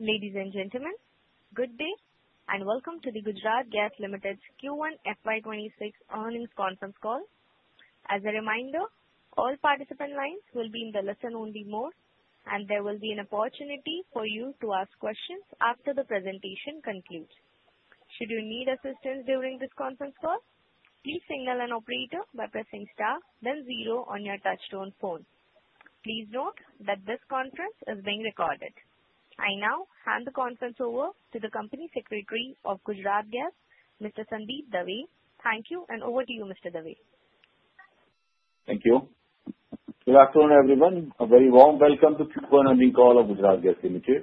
Ladies and gentlemen, good day and welcome to the Gujarat Gas Limited's Q1 FY 2026 earnings conference call. As a reminder, all participant lines will be in the listen-only mode, and there will be an opportunity for you to ask questions after the presentation concludes. Should you need assistance during this conference call, please signal an operator by pressing star then zero on your touch-tone phone. Please note that this conference is being recorded. I now hand the conference over to the Company Secretary and Head of Corporate Communication of Gujarat Gas Limited, Mr. Sandeep Dave. Thank you and over to you, Mr. Dave. Thank you. Good afternoon, everyone. A very warm welcome to the Q1 earnings call of Gujarat Gas Limited.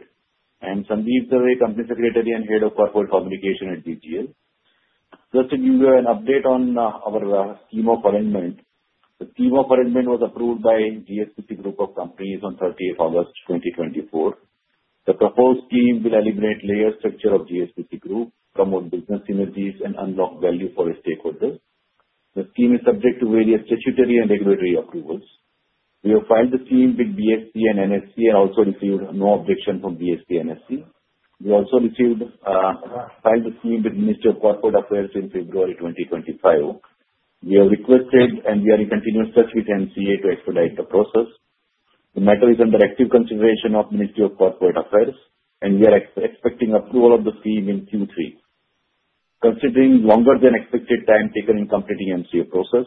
I am Sandeep Dave, Company Secretary and Head of Corporate Communication at GGL. Just to give you an update on our scheme of arrangement, the scheme of arrangement was approved by GSPC Group of Companies on 30th August 2024. The proposed scheme will alleviate the layered structure of GSPC Group, promote business synergies, and unlock value for its stakeholders. The scheme is subject to various statutory and regulatory approvals. We have filed the scheme with BSE and NSE. We also received no objection from BSE and NSE. We also filed the scheme with the Ministry of Corporate Affairs in February 2025. We have requested and we are in continuous touch with MCA to expedite the process. The matter is under active consideration of the Ministry of Corporate Affairs, and we are expecting approval of the scheme in Q3. Considering the longer than expected time taken in completing the MCA process,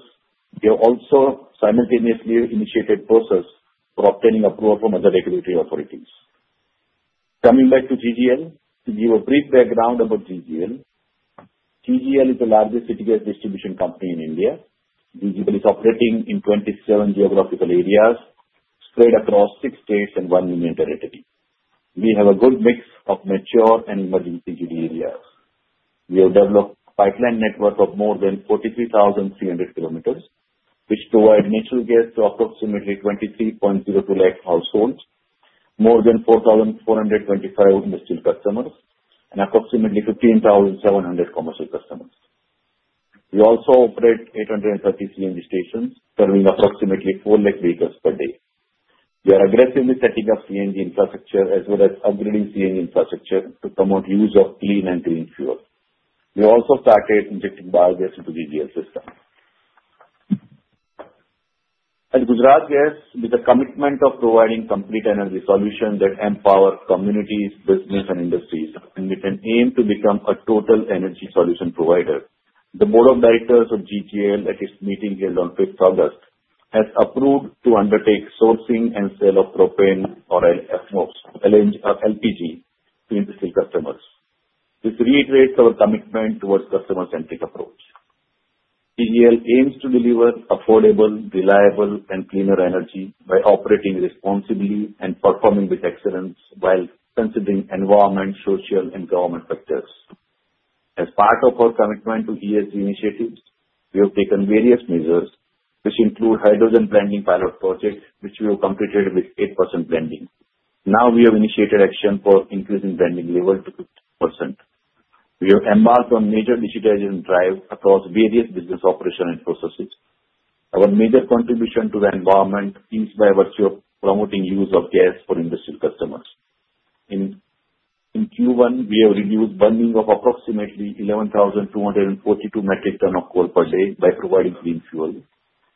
we have also simultaneously initiated the process for obtaining approval from other regulatory authorities. Coming back to GGL, to give you a brief background about GGL, GGL is the largest city gas distribution company in India. GGL is operating in 27 geographical areas, spread across six states and one union territory. We have a good mix of mature and emerging CGD areas. We have developed a pipeline network of more than 43,300 km which provides natural gas to approximately 23.02 lakh households, more than 4,425 industrial customers, and approximately 15,700 commercial customers. We also operate 830 CNG stations, serving approximately four lakh vehicles per day. We are aggressively setting up CNG infrastructure as well as upgrading CNG infrastructure to promote the use of clean and green fuel. We also started injecting biogas into the GGL system. At Gujarat Gas, with the commitment of providing complete energy solution that empowers communities, business, and industries, and with an aim to become a total energy solution provider, the Board of Directors of GGL at its meeting held on 5th August has approved to undertake sourcing and sale of propane, oil, FMOFS, LNG, and LPG to industry customers. This reiterates our commitment towards a customer-centric approach. GGL aims to deliver affordable, reliable, and cleaner energy by operating responsibly and performing with excellence while considering environmental, social, and governance factors. As part of our commitment to ESG initiatives, we have taken various measures, which include hydrogen blending pilot project, which we have completed with 8% blending. Now we have initiated action for increasing blending level to 50%. We have embarked on a major digitization drive across various business operations and processes. Our major contribution to the environment is by virtue of promoting the use of gas for industry customers. In Q1, we have reduced the burning of approximately 11,242 metric tons of coal per day by providing green fuel.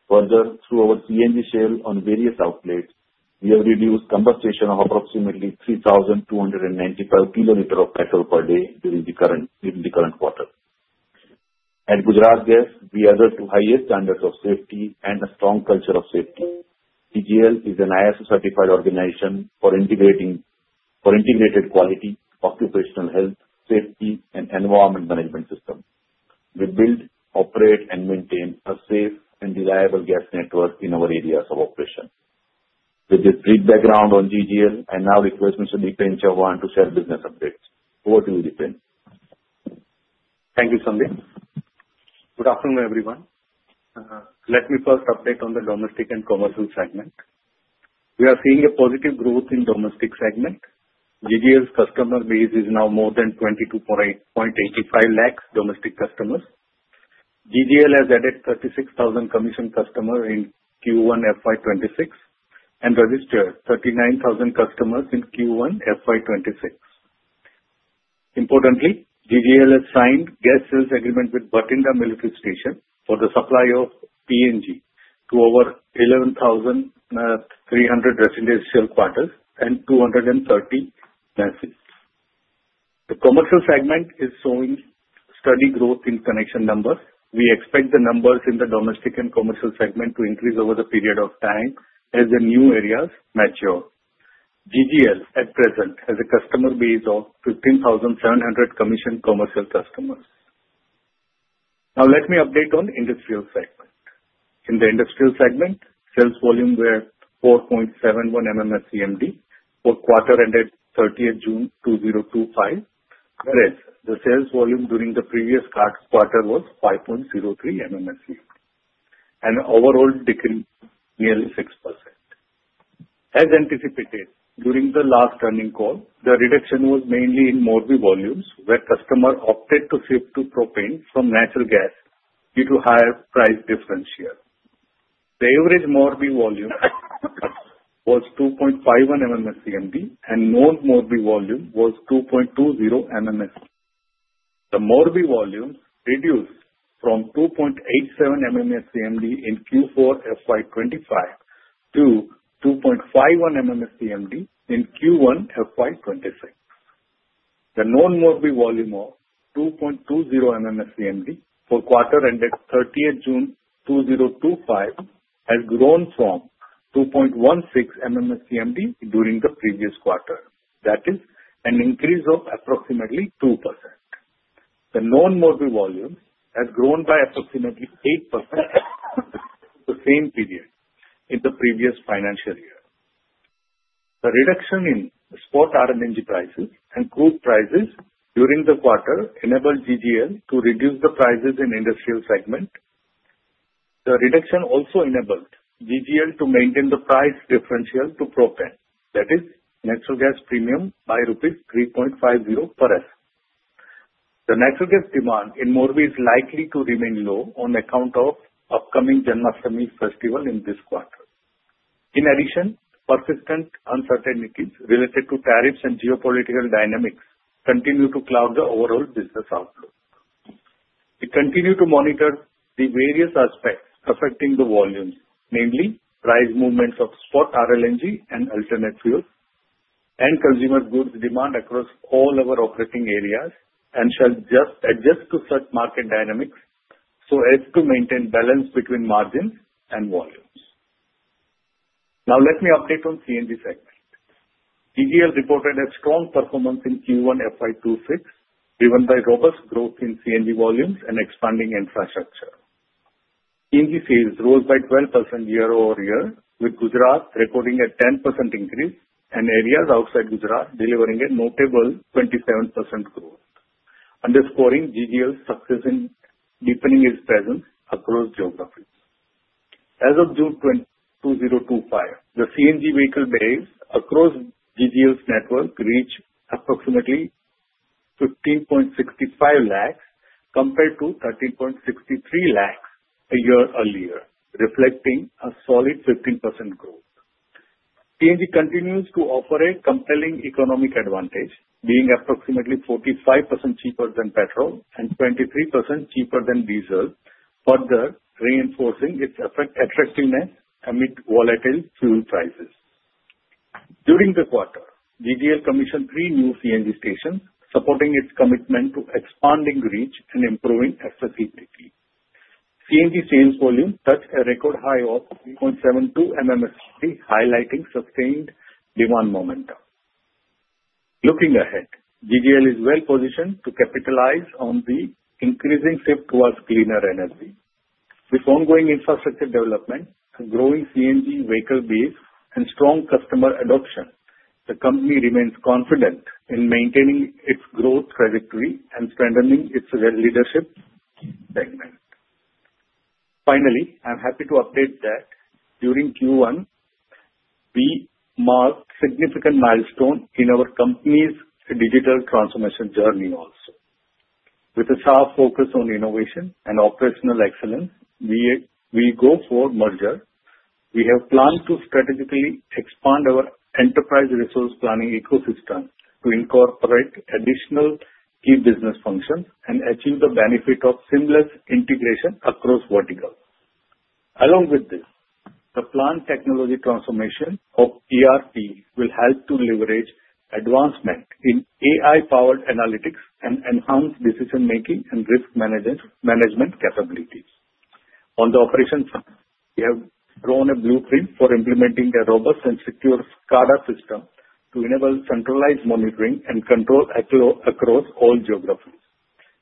Further, through our CNG sale on various outlets, we have reduced the combustion of approximately 3,290 km s of petrol per day during the current quarter. At Gujarat Gas, we adhere to higher standards of safety and a strong culture of safety. GGL is an ISO certified organization for integrated quality, occupational health, safety, and environment management systems. We build, operate, and maintain a safe and reliable gas network in our areas of operation. With this brief background on GGL, I now request Mr. Dipen Chauhan to share business updates. Over to you, Dipen. Thank you, Sandeep. Good afternoon, everyone. Let me first update on the domestic and commercial segment. We are seeing a positive growth in the domestic segment. GGL's customer base is now more than 22.85 lakh domestic customers. GGL has added 36,000 commissioned customers in Q1 FY 2026 and registered 39,000 customers in Q1 FY 2026. Importantly, GGL has signed a gas sales agreement with Bhatinda Military Station for the supply of PNG to over 11,300 refrigerated shell quarters and 230 flasks. The commercial segment is showing steady growth in connection numbers. We expect the numbers in the domestic and commercial segment to increase over the period of time as the new areas mature. GGL at present has a customer base of 15,700 commissioned commercial customers. Now, let me update on the industrial segment. In the industrial segment, sales volume was 4.71 MMSCMD for quarter ended 30th June 2025, whereas the sales volume during the previous quarter was 5.03 MMSCMD. The overall decrease yielded 6%. As anticipated during the last earnings call, the reduction was mainly in MRV volumes where customers opted to shift to propane from natural gas due to higher price differential. The average MRV volume was 2.51 MMSCMD and non-MRV volume was 2.20 MMSCMD. The MRV volume reduced from 2.87 MMSCMD in Q4 FY25 to 2.51 MMSCMD in Q1 FY25. The non-MRV volume of 2.20 MMSCMD for quarter ended 30th June 2025 has grown from 2.16 MMSCMD during the previous quarter. That is an increase of approximately 2%. The non-MRV volume has grown by approximately 8% in the same period in the previous financial year. The reduction in spot RLNG prices and crude prices during the quarter enabled GGL to reduce the prices in the industrial segment. The reduction also enabled GGL to maintain the price differential to propane, that is, natural gas premium by rupees 3.50 per SCM. The natural gas demand in MRV is likely to remain low on account of the upcoming Janmashtami festival in this quarter. In addition, persistent uncertainties related to tariffs and geopolitical dynamics continue to cloud the overall business outlook. We continue to monitor the various aspects affecting the volumes, namely price movements of spot RLNG and alternate fuels and consumer goods demand across all our operating areas and shall adjust to such market dynamics so as to maintain balance between margins and volumes. Now, let me update on the CNG segment. GGL reported a strong performance in Q1 FY 2026, driven by robust growth in CNG volumes and expanding infrastructure. CNG sales rose by 12% year-over-year, with Gujarat recording a 10% increase and areas outside Gujarat delivering a notable 27% growth, underscoring GGL's success in deepening its presence across geographies. As of June 2025, the CNG vehicle delays across GGL's network reached approximately 1.565 million compared to 1.36`3 million a year earlier, reflecting a solid 15% growth. CNG continues to operate with a compelling economic advantage, being approximately 45% cheaper than petrol and 23% cheaper than diesel, further reinforcing its attractiveness amid volatile fuel prices. During the quarter, GGL commissioned three new CNG stations, supporting its commitment to expanding reach and improving accessibility. CNG sales volume touched a record high of 3.72 million CMD, highlighting sustained demand momentum. Looking ahead, GGL is well-positioned to capitalize on the increasing shift towards cleaner energy. With ongoing infrastructure development, a growing CNG vehicle base, and strong customer adoption, the company remains confident in maintaining its growth trajectory and strengthening its leadership segment. Finally, I'm happy to update that during Q1, we marked a significant milestone in our company's digital transformation journey also. With a soft focus on innovation and operational excellence, we go forward merger. We have planned to strategically expand our enterprise resource planning ecosystem to incorporate additional key business functions and achieve the benefit of seamless integration across verticals. Along with this, the planned technology transformation of ERP will help to leverage advancements in AI-powered analytics and enhance decision-making and risk management capabilities. On the operations front, we have drawn a blueprint for implementing a robust and secure SCADA system to enable centralized monitoring and control across all geographies.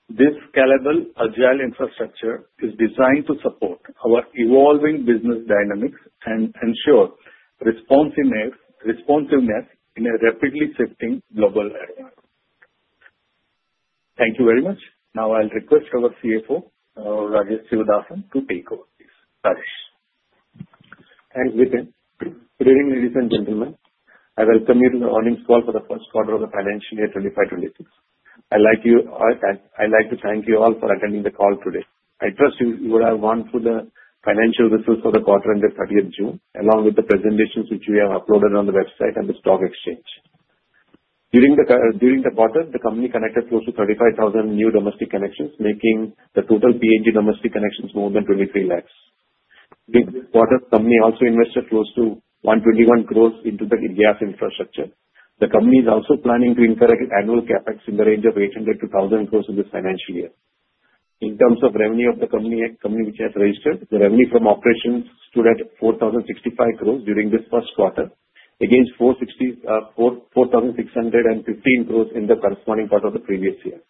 This scalable, agile infrastructure is designed to support our evolving business dynamics and ensure responsiveness in a rapidly shifting global era. Thank you very much. Now I'll request our CFO, Rajesh Sivadasan, to take over. Thank you, Dipen. Good evening ladies and gentlemen, I welcome you to the earnings call for the first quarter of the financial year 2025-2026. I'd like you all to thank you all for attending the call today. I trust you would have gone through the financial results for the quarter ended 30th June, along with the presentations which we have uploaded on the website and the stock exchange. During the quarter, the company connected close to 35,000 new domestic connections, making the total PNG domestic connections more than 2.3 million. During this quarter, the company also invested close to 1.21 crore billion into the gas infrastructure. The company is also planning to incur an annual CapEx in the range of 800 crore-1,000 crore in this financial year. In terms of revenue of the company, which has registered, the revenue from operations stood at 4,615 crore during this first quarter, against 4,065 crore in the corresponding quarter of the previous year.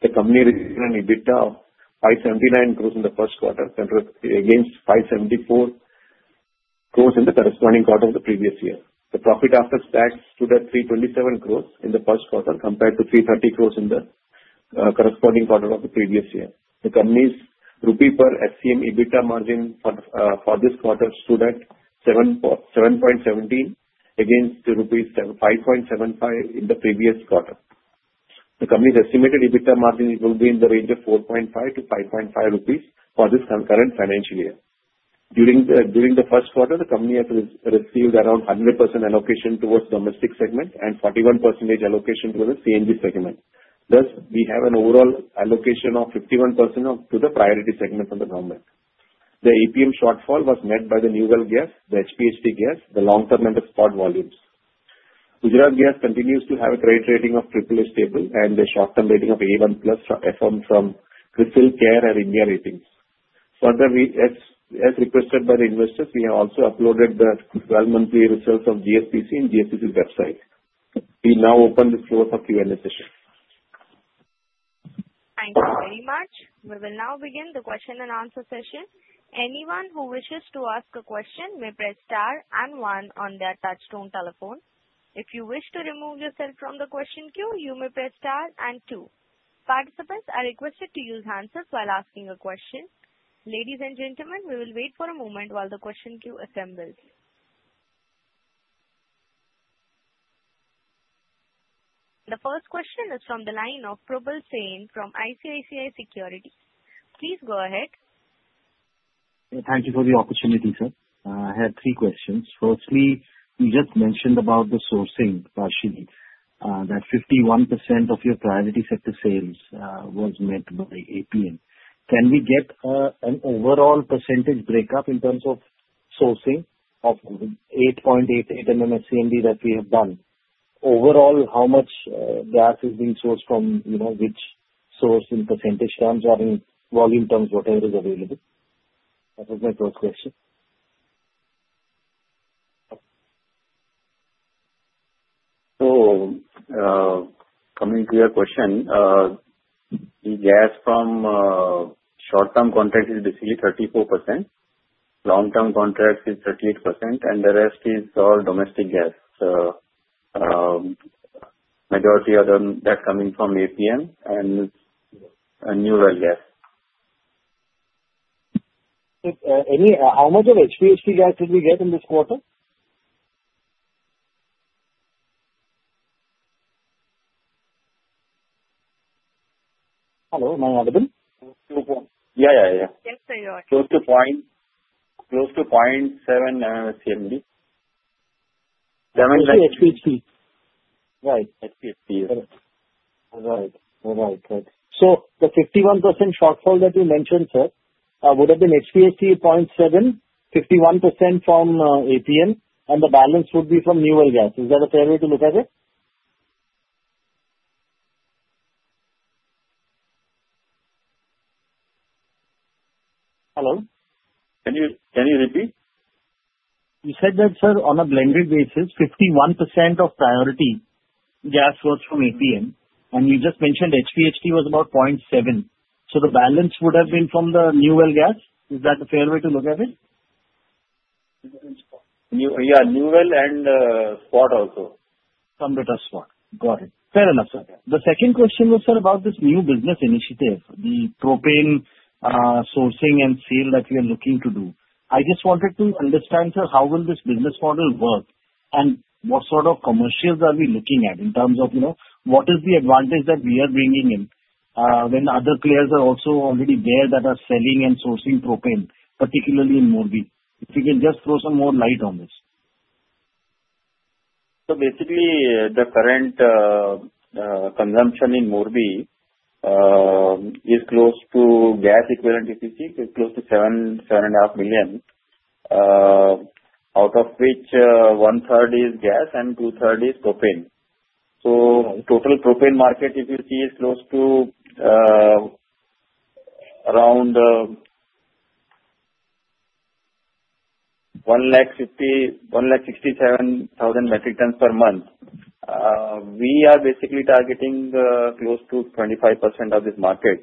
The company registered an EBITDA of 574 crore in the first quarter, against 574 crore in the corresponding quarter of the previous year. The profit after tax stood at 327 crore in the first quarter compared to 330 crore in the corresponding quarter of the previous year. The company's Rupee-per-SCM EBITDA margin for this quarter stood at 7.17 crore against rupees 5.75 crore in the previous quarter. The company's estimated EBITDA margin will be in the range of 4.5 crore-5.5 crore rupees for this current financial year. During the first quarter, the company has received around 100% allocation towards the domestic segment and 41% allocation to the CNG segment. Thus, we have an overall allocation of 51% to the priority segment of the government. The EPM shortfall was met by the New Well Gas, the HPHT Gas, the long-term and the spot volumes. Gujarat Gas Limited continues to have a credit rating of AAA stable and a short-term rating of A1+ from CRISIL and India Ratings. Further, as requested by the investors, we have also uploaded the 12-monthly results of GSPC on GSPC's website. We now open the floor for Q&A session. Thank you very much. We will now begin the question-and-answer session. Anyone who wishes to ask a question may press star and one on their touchstone telephone. If you wish to remove yourself from the question queue, you may press star and two. Participants are requested to use hands up while asking a question. Ladies and gentlemen, we will wait for a moment while the question queue assembles. The first question is from the line of Probal Sen from ICICI Securities. Please go ahead. Thank you for the opportunity, sir. I have three questions. Firstly, you just mentioned about the sourcing, Rajesh, that 51% of your priority sector sales was met by APM. Can we get an overall percentage breakup in terms of sourcing of 8.88 MMSCMD that we have done? Overall, how much gas is being sourced from, you know, which sourcing percentage terms are in volume terms of whatever is available? That was my first question. Coming to your question, the gas from short-term contracts is basically 34%. Long-term contracts is 38%, and the rest is all domestic gas. The majority of them are coming from PNG and New Well Gas. How much of HPHT gas did we get in this quarter? Hello, am I audible? Yeah, yeah, yeah. Yes, sir, you are. Close to 0.7 MMSCMD. HPHT. Right. HPHT, yes. Correct. Right. So the 51% shortfall that you mentioned, sir, would have been HPHT 0.7, 51% from APM, and the balance would be from New Well Gas. Is that okay for me to look at it? Hello? Can you repeat? You said that, sir, on a blended basis, 51% of priority gas was from PNG, and you just mentioned HPHT was about 0.7. The balance would have been from the New Well Gas. Is that a fair way to look at it? Yeah, New World and spot also. Got it. Fair enough. The second question was, sir, about this new business initiative, the propane sourcing and sale that we are looking to do. I just wanted to understand, sir, how will this business model work and what sort of commercials are we looking at in terms of, you know, what is the advantage that we are bringing in when other players are also already there that are selling and sourcing propane, particularly in the Morbi region? If you can just throw some more light on this. the current consumption in the MRV region is close to gas equivalent, if you see, is close to 7, 7.5 million, out of which 1/3 is gas and 2/3 is propane. The total propane market, if you see, is close to around 1,167,000 metric tons per month. We are basically targeting close to 25% of this market.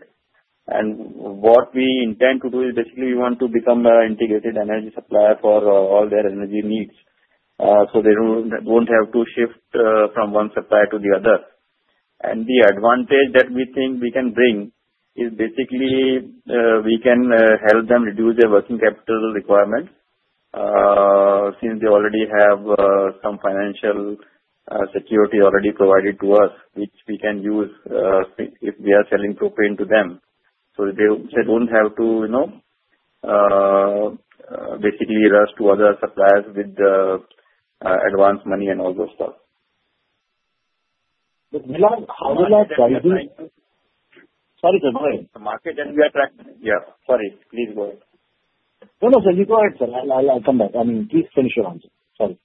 What we intend to do is basically we want to become an integrated energy supplier for all their energy needs, so they don't have to shift from one supplier to the other. The advantage that we think we can bring is basically we can help them reduce their working capital requirement since they already have some financial security already provided to us, which we can use if they are selling propane to them. They don't have to, you know, basically rush to other suppliers with the advanced money and all those stuff. We are targeting. Sorry to interrupt. The market that we are trying to. Yeah. Sorry, please go ahead. No, sir. You go ahead, sir. I'll come back. I mean, please finish your answer. Sorry.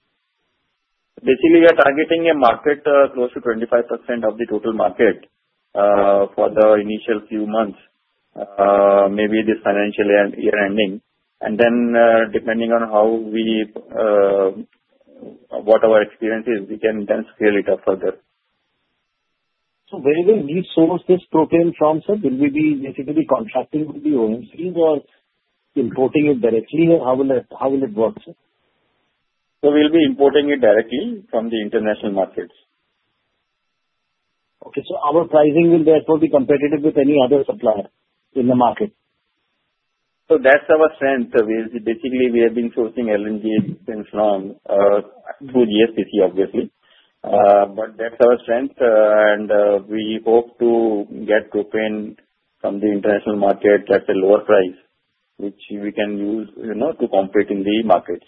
Basically, we are targeting a market close to 2`5% of the total market for the initial few months, maybe this financial year ending. Depending on what our experience is, we can then scale it up further. Where you will need some of this propane from, sir, will you be basically contracting with the overseas or importing it directly? How will it work, sir? We'll be importing it directly from the international markets. Okay. Our pricing will therefore be competitive with any other supplier in the market? That's our strength. Basically, we have been sourcing `LNG since long, good years this year, obviously. That's our strength, and we hope to get propane from the international market at a lower price, which we can use to compete in the markets.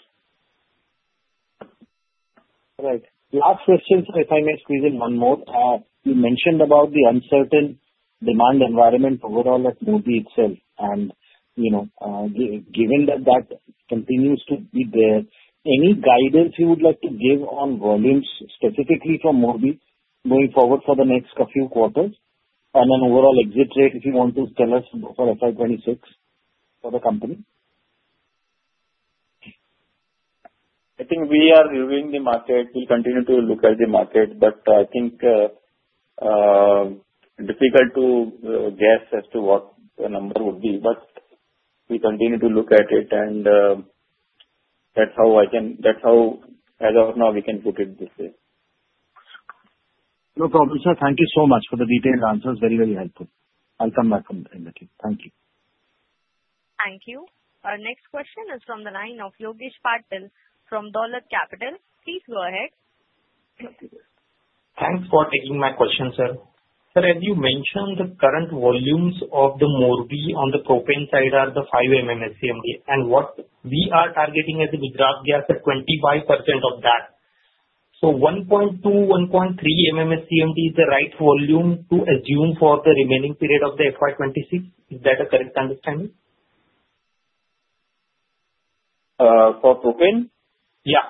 Right. Last question, if I may squeeze in one more. You mentioned about the uncertain demand environment overall at Morbi itself. Given that that continues to be there, any guidance you would like to give on volumes specifically for Morbi going forward for the next few quarters? An overall exit rate if you want to tell us for FY 2026 for the company? I think we are reviewing the market. We continue to look at the market, but I think it's difficult to guess as to what the number would be. We continue to look at it. That's how as of now we can put it this way. No problem, sir. Thank you so much for the detailed answers. Very, very helpful. I'll come back on the end of it. Thank you. Thank you. Our next question is from the line of Yogesh Patil from Dolat Capital. Please go ahead. Thanks for taking my question, sir. Sir, as you mentioned, the current volumes of the Morbi region on the propane side are the 5 M`MSCMD. What we are targeting as Gujarat Gas is 25% of that. 1.2 MMSCMD, 1.3 MMSCMD is the right volume to assume for the remaining period of FY 2026. Is that a correct understanding? For propane? Yeah.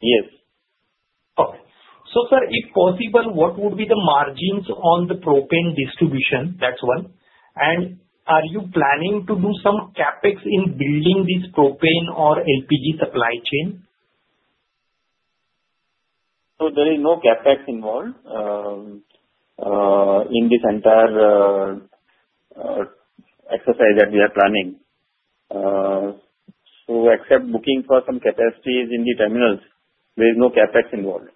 Yes. All right. Sir, if possible, what would be the margins on the propane distribution? That's one. Are you planning to do some CapEx in building this propane or LPG supply chain? There is no CapEx involved in this entire exercise that we are planning, except booking for some capacities in the terminals. There is no CapEx involved.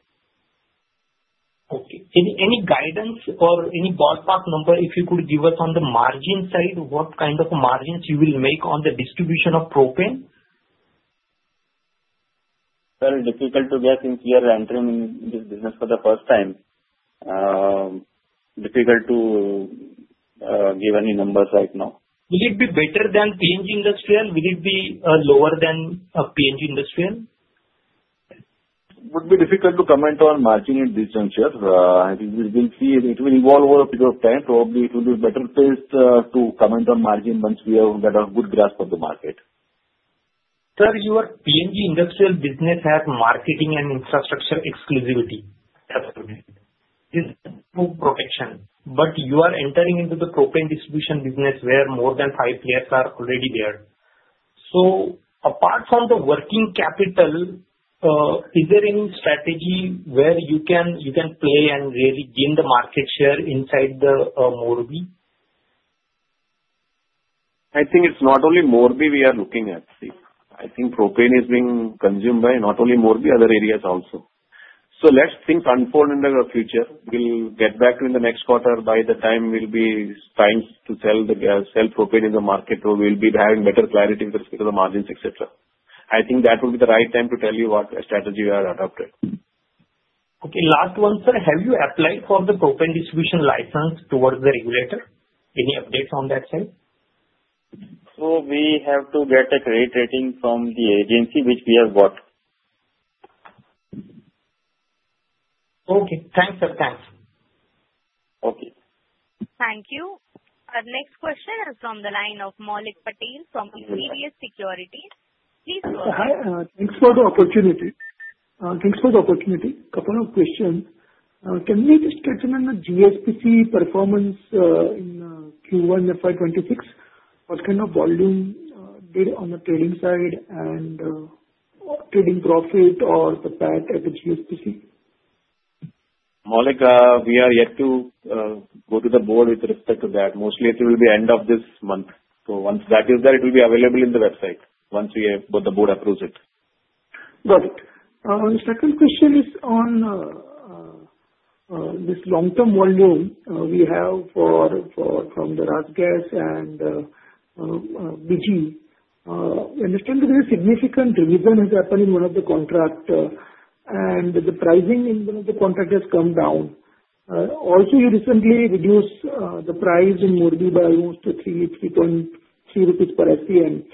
Okay. Any guidance or any ballpark number if you could give us on the margin side, what kind of margins you will make on the distribution of propane? is difficult to guess since we are entering this business for the first time. Difficult to give any numbers right now. Will it be better than PNG Industrial? Will it be lower than PNG Industrial? It would be difficult to comment on margin at this juncture. I think we will see. It will evolve over a period of time. Probably it will be better to comment on margin once we get a good grasp of the market. Sir, your PNG industrial business has marketing and infrastructure exclusivity. That's correct. You are entering into the propane distribution business where more than five players are already there. Apart from the working capital, is there any strategy where you can play and really gain the market share inside the Morbi region? I think it's not only the Morbi region we are looking at. I think propane is being consumed by not only the Morbi region, other areas also. Let's think unfold into the future. We'll get back to you in the next quarter. By that time we'll be trying to sell the gas, sell propane in the market, or we'll be having better clarity in terms of the margins, etc. I think that would be the right time to tell you what strategy we are adopting. Okay. Last one, sir. Have you applied for the propane distribution license towards the regulator? Any updates on that side? We have to get a credit rating from the agency which we have bought. Okay. Thanks, sir. Thanks. Thank you. Our next question is from the line of Maulik Patel from HSBC Securities. Please go ahead. Thanks for the opportunity. A couple of questions. Can you just touch on the GSPC performance in Q1 FY 2026? What kind of volume did on the trading side and trading profit or the PAT at the GSPC? Malik, we are yet to go to the board with respect to that. Mostly, it will be end of this month. Once that is there, it will be available in the website once we have the board approves it. Got it. The second question is on this long-term volume we have from the RasGas and BG. I understand that there is significant delivery that happened in one of the contracts, and the pricing in one of the contracts has come down. Also, you recently reduced the price in Morbi by almost INR 33.3 crore per FTM.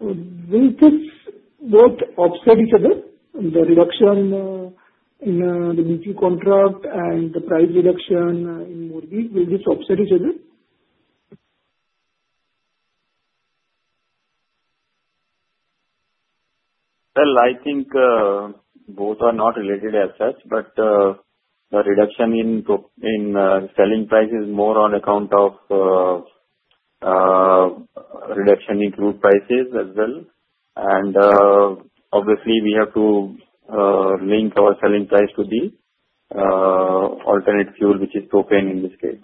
Will this both offset each other? The reduction in the Niji contract and the price reduction in Morbi, will this offset each other? I think both are not related as such, but the reduction in selling prices is more on account of reduction in crude prices as well. Obviously, we have to link our selling price to the alternate fuel, which is propane in this case.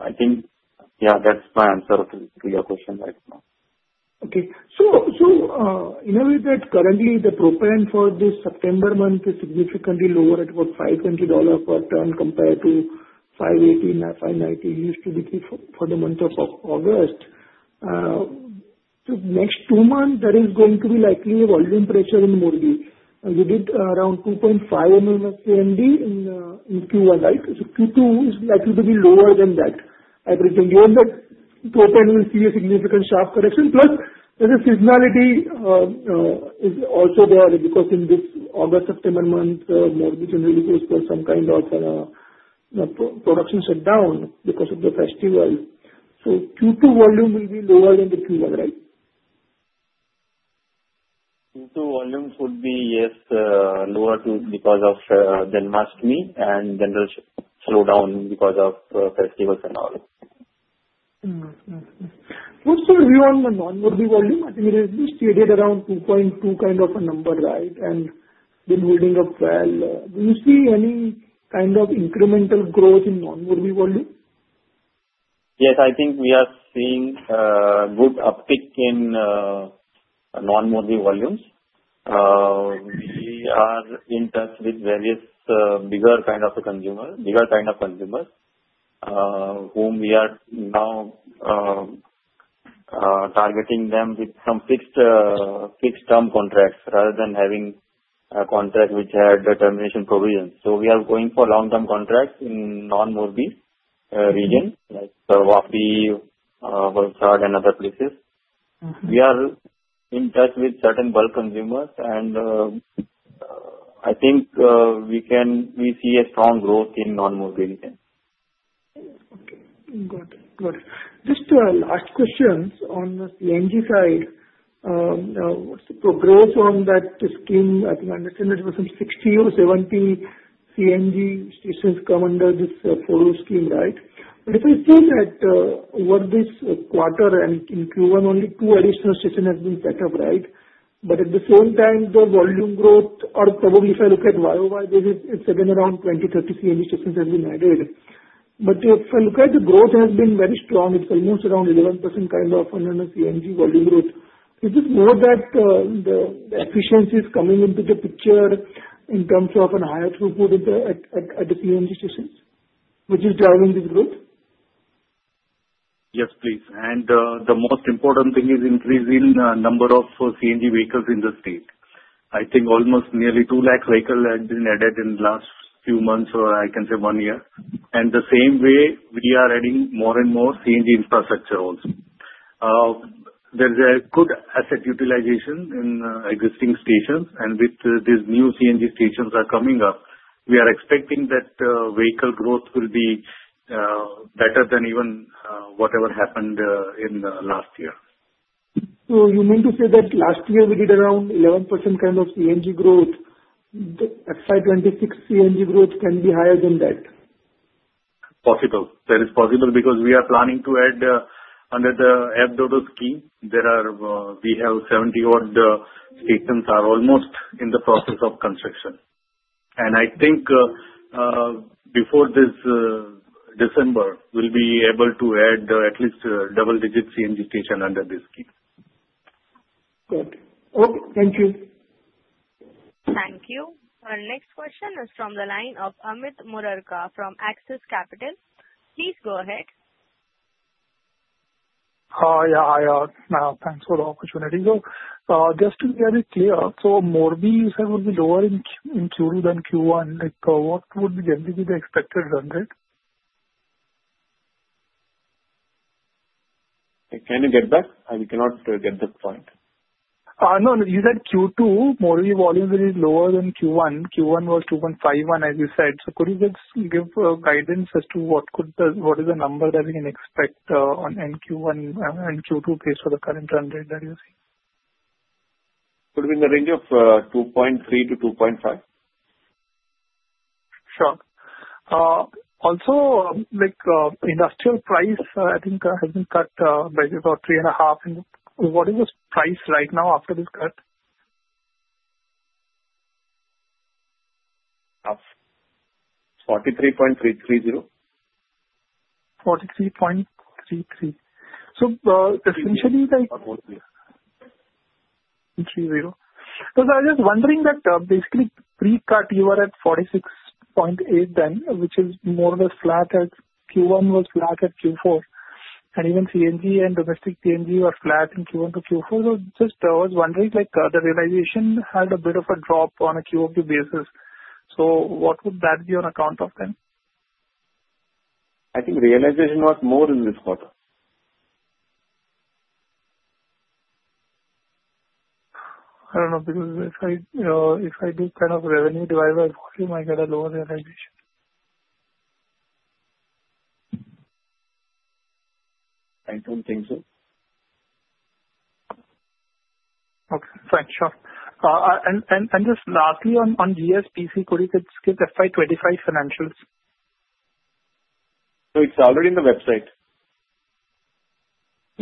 I think, yeah, that's my answer to your question right now. Okay. In a way, currently the propane for this September month is significantly lower at about $520 per ton compared to $580 and $590 it used to be for the month of August. The next two months, there is going to be likely a volume pressure in the Morbi region. You did around 2.5 MMSCMD in Q1, right? Q2 is likely to be lower than that. I presume you and the propane will see a significant sharp correction. Plus, the seasonality is also there because in this August-September month, there will be generally some kind of a production shutdown because of the festival. Q2 volume will be lower than Q1, right? Q2 volumes would be, yes, lower too because of the March fee and then the slowdown because of festivals and all. Okay. What's your view on the non-Morbi volume? I think it has been steady around 2.2 MMSCMD kind of a number, right? It's been moving up well. Do you see any kind of incremental growth in non-Morbi volume? Yes, I think we are seeing a good uptick in non-Morb volumes. We are in touch with various bigger kind of consumers, bigger kind of consumers whom we are now targeting them with some fixed-term contracts rather than having contracts which had termination provisions. We are going for long-term contracts in non-Morbi region, like Vapi, Balchad, and other places. We are in touch with certain bulk consumers, and I think we can see a strong growth in non-Morbi region. Got it. Got it. Just two last questions on the CNG side. What's the progress on that scheme? I think I understand that it was some 60 CNG or 70 CNG stations come under this POU scheme, right? If I say that over this quarter and in Q1, only two additional stations have been set up, right? At the same time, the volume growth, or probably if I look at YoY, it's again around 20 CNG, 30 CNG stations have been added. If I look at the growth, it has been very strong. It's almost around 11% kind of under the CNG volume growth. Is it more that the efficiency is coming into the picture in terms of a higher throughput at the CNG stations, which is driving this growth? Yes, please. The most important thing is increasing the number of CNG vehicles in the state. I think almost nearly 200,000 vehicles have been added in the last few months, or I can say one year. In the same way, we are adding more and more CNG infrastructure also. There's good asset utilization in existing stations, and with these new CNG stations that are coming up, we are expecting that vehicle growth will be better than even whatever happened in the last year. You mean to say that last year we did around 11% kind of CNG growth? The FY 2026 CNG growth can be higher than that? That is possible because we are planning to add under the FDOTO scheme. We have 70-odd stations that are almost in the process of construction. I think before this December, we'll be able to add at least double-digit CNG stations under this scheme. Got it. Okay. Thank you. Thank you. Our next question is from the line of Amit Murarka from Axis Capital. Please go ahead. Hi, Ayat. Thanks for the opportunity. Just to be very clear, MRV you said would be lower in Q2 than Q1. What would be generally the expected run rate? Can you get back? I cannot get the point. You said Q2 Morbi volume is lower than Q1. Q1 was 2.51 MMSCMD, as you said. Could you just give guidance as to what is the number that we can expect on Q1 and Q2 based on the current run rate that you see? It would be in the range of 2.3 MMSCMD-2.5 MMSCMD. Sure. Also, like industrial price, I think has been cut by about 3.5%. What is the price right now after this cut? 43.330 MMSCMD. Essentially, like because I was just wondering that basically pre-cut you were at 46.8 MMSCMD, which is more or less flat as Q1 was flat at Q4. Even CNG and domestic CNG were flat in Q1 to Q4. I was wondering, like the realization had a bit of a drop on a Q2 basis. What would that be on account of then? I think realization was more in this quarter. I don't know because if I do kind of revenue divide, I assume I get a lower realization. I don't think so. Okay. Fine. Sure. Just lastly, on GSPC Group, could you get FY 2025 financials? It’s already in the website.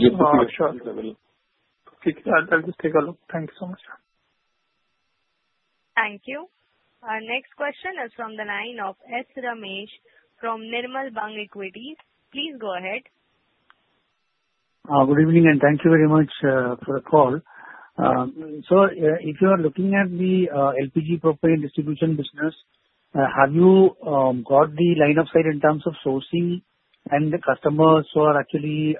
Sure, I'll just take a look. Thank you so much. Thank you. Our next question is from the line of S. Ramesh from Nirmal Bang Equities. Please go ahead. Good evening, and thank you very much for the call. If you are looking at the LPG propane distribution business, have you got the line of sight in terms of sourcing and the customers who are actually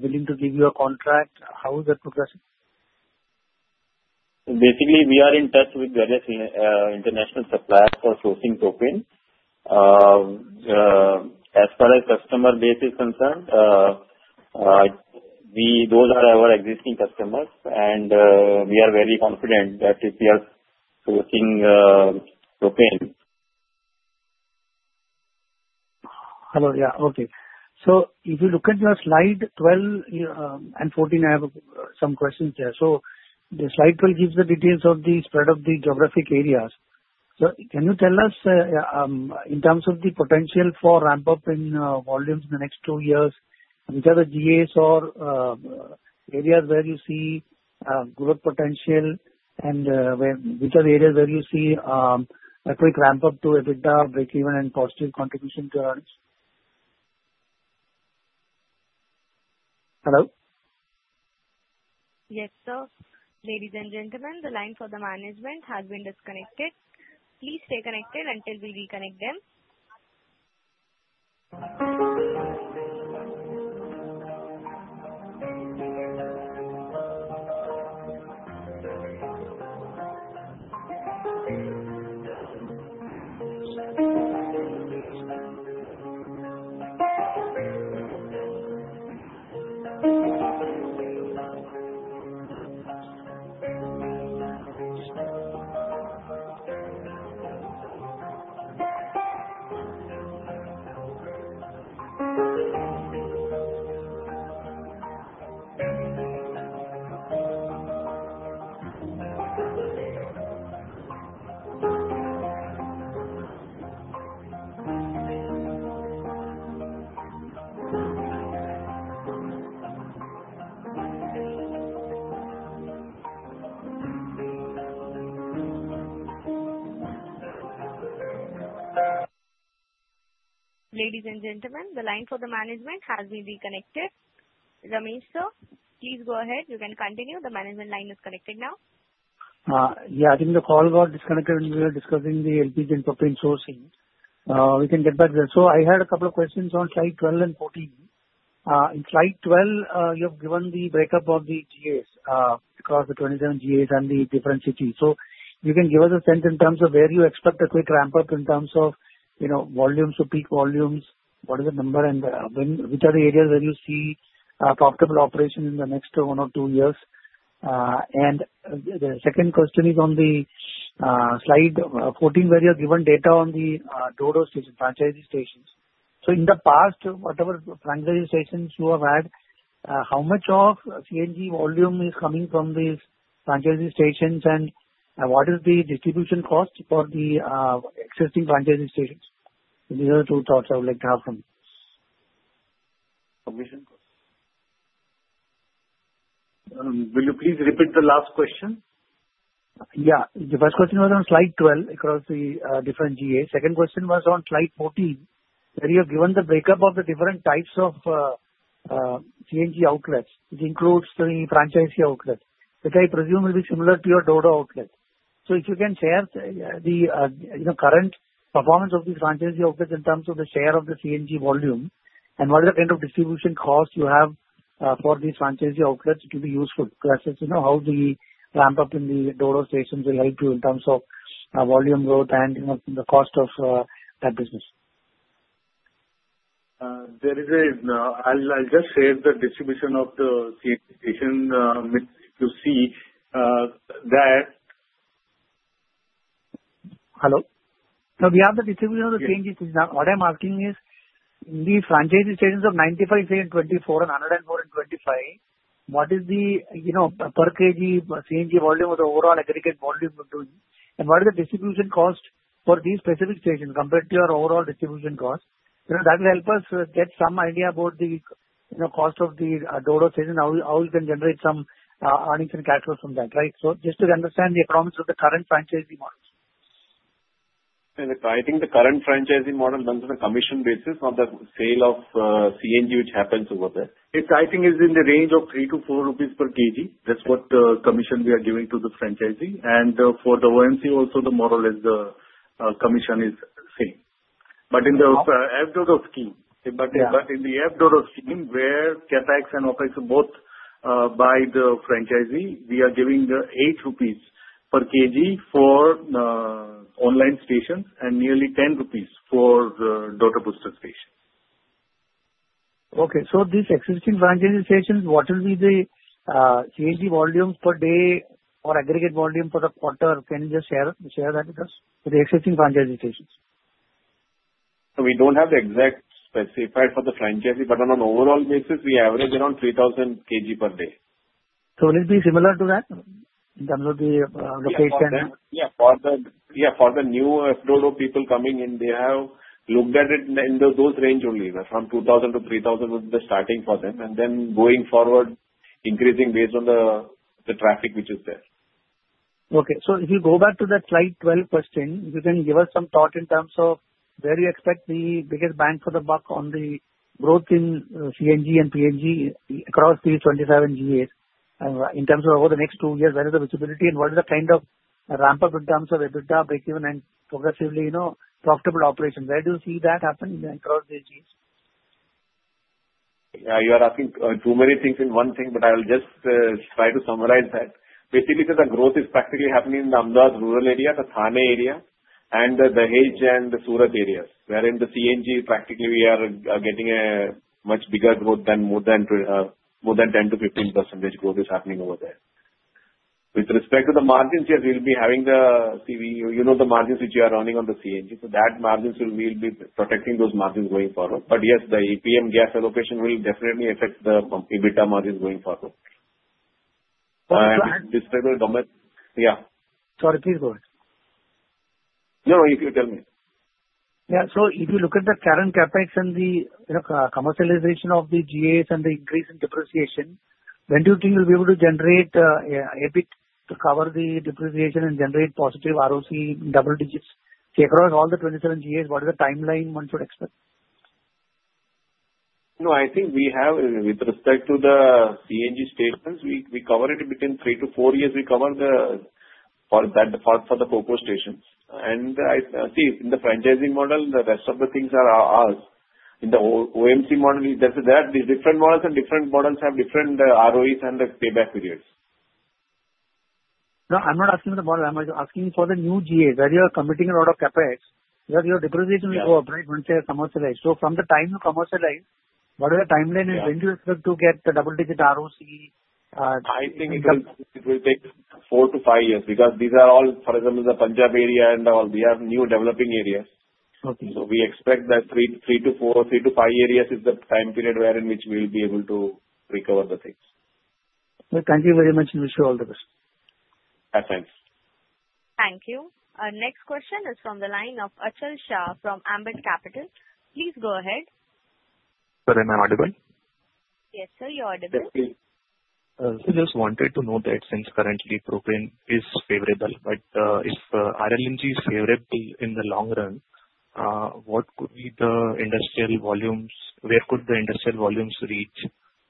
willing to give you a contract? How is that progressing? Basically, we are in touch with various international suppliers for sourcing propane. As far as customer base is concerned, those are our existing customers, and we are very confident that if we are sourcing propane. Okay. If you look at your slide 12 and 14, I have some questions there. The slide 12 gives the details of the spread of the geographic areas. Can you tell us in terms of the potential for ramp-up in volumes in the next two years, which are the GAs or areas where you see growth potential and which are the areas where you see, I think, ramp-up to EBITDA, breakeven, and cost share contribution to earnings? Hello? Yes, sir. Ladies and gentlemen, the line for the management has been disconnected. Please stay connected until we reconnect them. Ladies and gentlemen, the line for the management has been reconnected. Ramesh, sir, please go ahead. You can continue. The management line is connected now. Yeah, I think the call got disconnected when we were discussing the LPG and propane sourcing. We can get back there. I had a couple of questions on slide 12 and 14. In slide 12, you have given the breakup of the GAs across the 27 GAs and the different cities. Can you give us a sense in terms of where you expect a quick ramp-up in terms of, you know, volumes or peak volumes, what is the number, and which are the areas where you see profitable operations in the next one or two years? The second question is on slide 14 where you have given data on the DODO franchisee stations. In the past, whatever franchisee stations you have had, how much of CNG volume is coming from these franchisee stations and what is the distribution cost for the existing franchisee stations? These are the two thoughts I would like to have from you. Will you please repeat the last question? Yeah. The first question was on slide 12 across the different GAs. The second question was on slide 14 where you have given the breakup of the different types of CNG outlets. It includes the franchisee outlet, which I presume will be similar to your DODO outlet. If you can share the current performance of these franchisee outlets in terms of the share of the CNG volume and what are the kind of distribution costs you have for these franchisee outlets, it will be useful to assess how the ramp-up in the DODO stations will help you in terms of volume growth and the cost of that business. There is a. I'll just share the distribution of the station. If you see that. Beyond the distribution of the CNG, what I'm asking is in these franchisee stations of 95 say in 2024 and 104 in 2025, what is the per kg CNG volume or the overall aggregate volume we're doing? What are the distribution costs for these specific stations compared to your overall distribution cost? That will help us get some idea about the cost of the DODO station, how we can generate some earnings and cash flows from that, right? Just to understand the economics of the current franchisee model. I think the current franchisee model runs on a commission basis on the sale of CNG, which happens over there. The pricing is in the range of 3 crore-4 crore rupees per kg. That's what commission we are giving to the franchisee. For the OMC, also the model is the commission is the same. In the DODO scheme, where CapEx and OPEX are both by the franchisee, we are giving 8 rupees per kg for the online station and nearly 10 crore rupees for the DODO Booster station. Okay. These existing franchisee stations, what will be the CNG volume per day or aggregate volume for the quarter? Can you just share that with us for the existing franchisee stations? We don't have the exact specified for the franchisee, but on an overall basis, we average around 3,000 kg per day. Will it be similar to that in terms of the location? For the new FDOTO people coming in, they have looked at it in those range only. That's from 2,000 crore-3,000 crore was the starting for them, and then going forward, increasing based on the traffic which is there. If you go back to that slide 12 question, you can give us some thought in terms of where do you expect the biggest bang for the buck on the growth in CNG and PNG across these 27 GAs? In terms of over the next two years, where is the visibility and what is the kind of ramp-up in terms of EBITDA, breakeven, and progressively, you know, profitable operations? Where do you see that happening across the GAs? You are asking too many things in one thing, but I will just try to summarize that. Basically, the growth is practically happening in the Amdod rural area, the Thane area, and the Dahej and the Surat areas, wherein the CNG practically we are getting a much bigger growth than more than 10-15% growth is happening over there. With respect to the margins, yes, we'll be having the, you know, the margins which we are running on the CNG. That margins will be protecting those margins going forward. Yes, the APM gas allocation will definitely affect the EBITDA margins going forward. Sorry, please go ahead. No, if you tell me. If you look at the current CapEx and the commercialization of the GAs and the increase in depreciation, when do you think you'll be able to generate EBITDA to cover the depreciation and generate positive ROC double digits across all the 27 GAs? What is the timeline one should expect? No, I think we have, with respect to the CNG stations, we cover it between three to four years. We cover the, or that the part for the cocoa stations. I see in the franchising model, the rest of the things are ours. In the OMC model, that's that. The different models and different models have different ROEs and the payback periods. No, I'm not asking for the model. I'm asking for the new GAs. Are you committing a lot of CapEx? Because your depreciation will go up right once they are commercialized. From the time you commercialize, what is the timeline when do you expect to get the double-digit ROC? I think it will take four to five years because these are all, for example, in the Punjab area and we are new developing areas. We expect that three to four, three to five years is the time period wherein we will be able to recover the things. Thank you very much. We'll share all the questions. Thanks. Thank you. Our next question is from the line of Achal Shah from Ambit Capital. Please go ahead. Sorry, am I audible? Yes, sir, you're audible. I just wanted to know that since currently propane is favorable, but if RLNG is favorable in the long run, what could be the industrial volumes? Where could the industrial volumes reach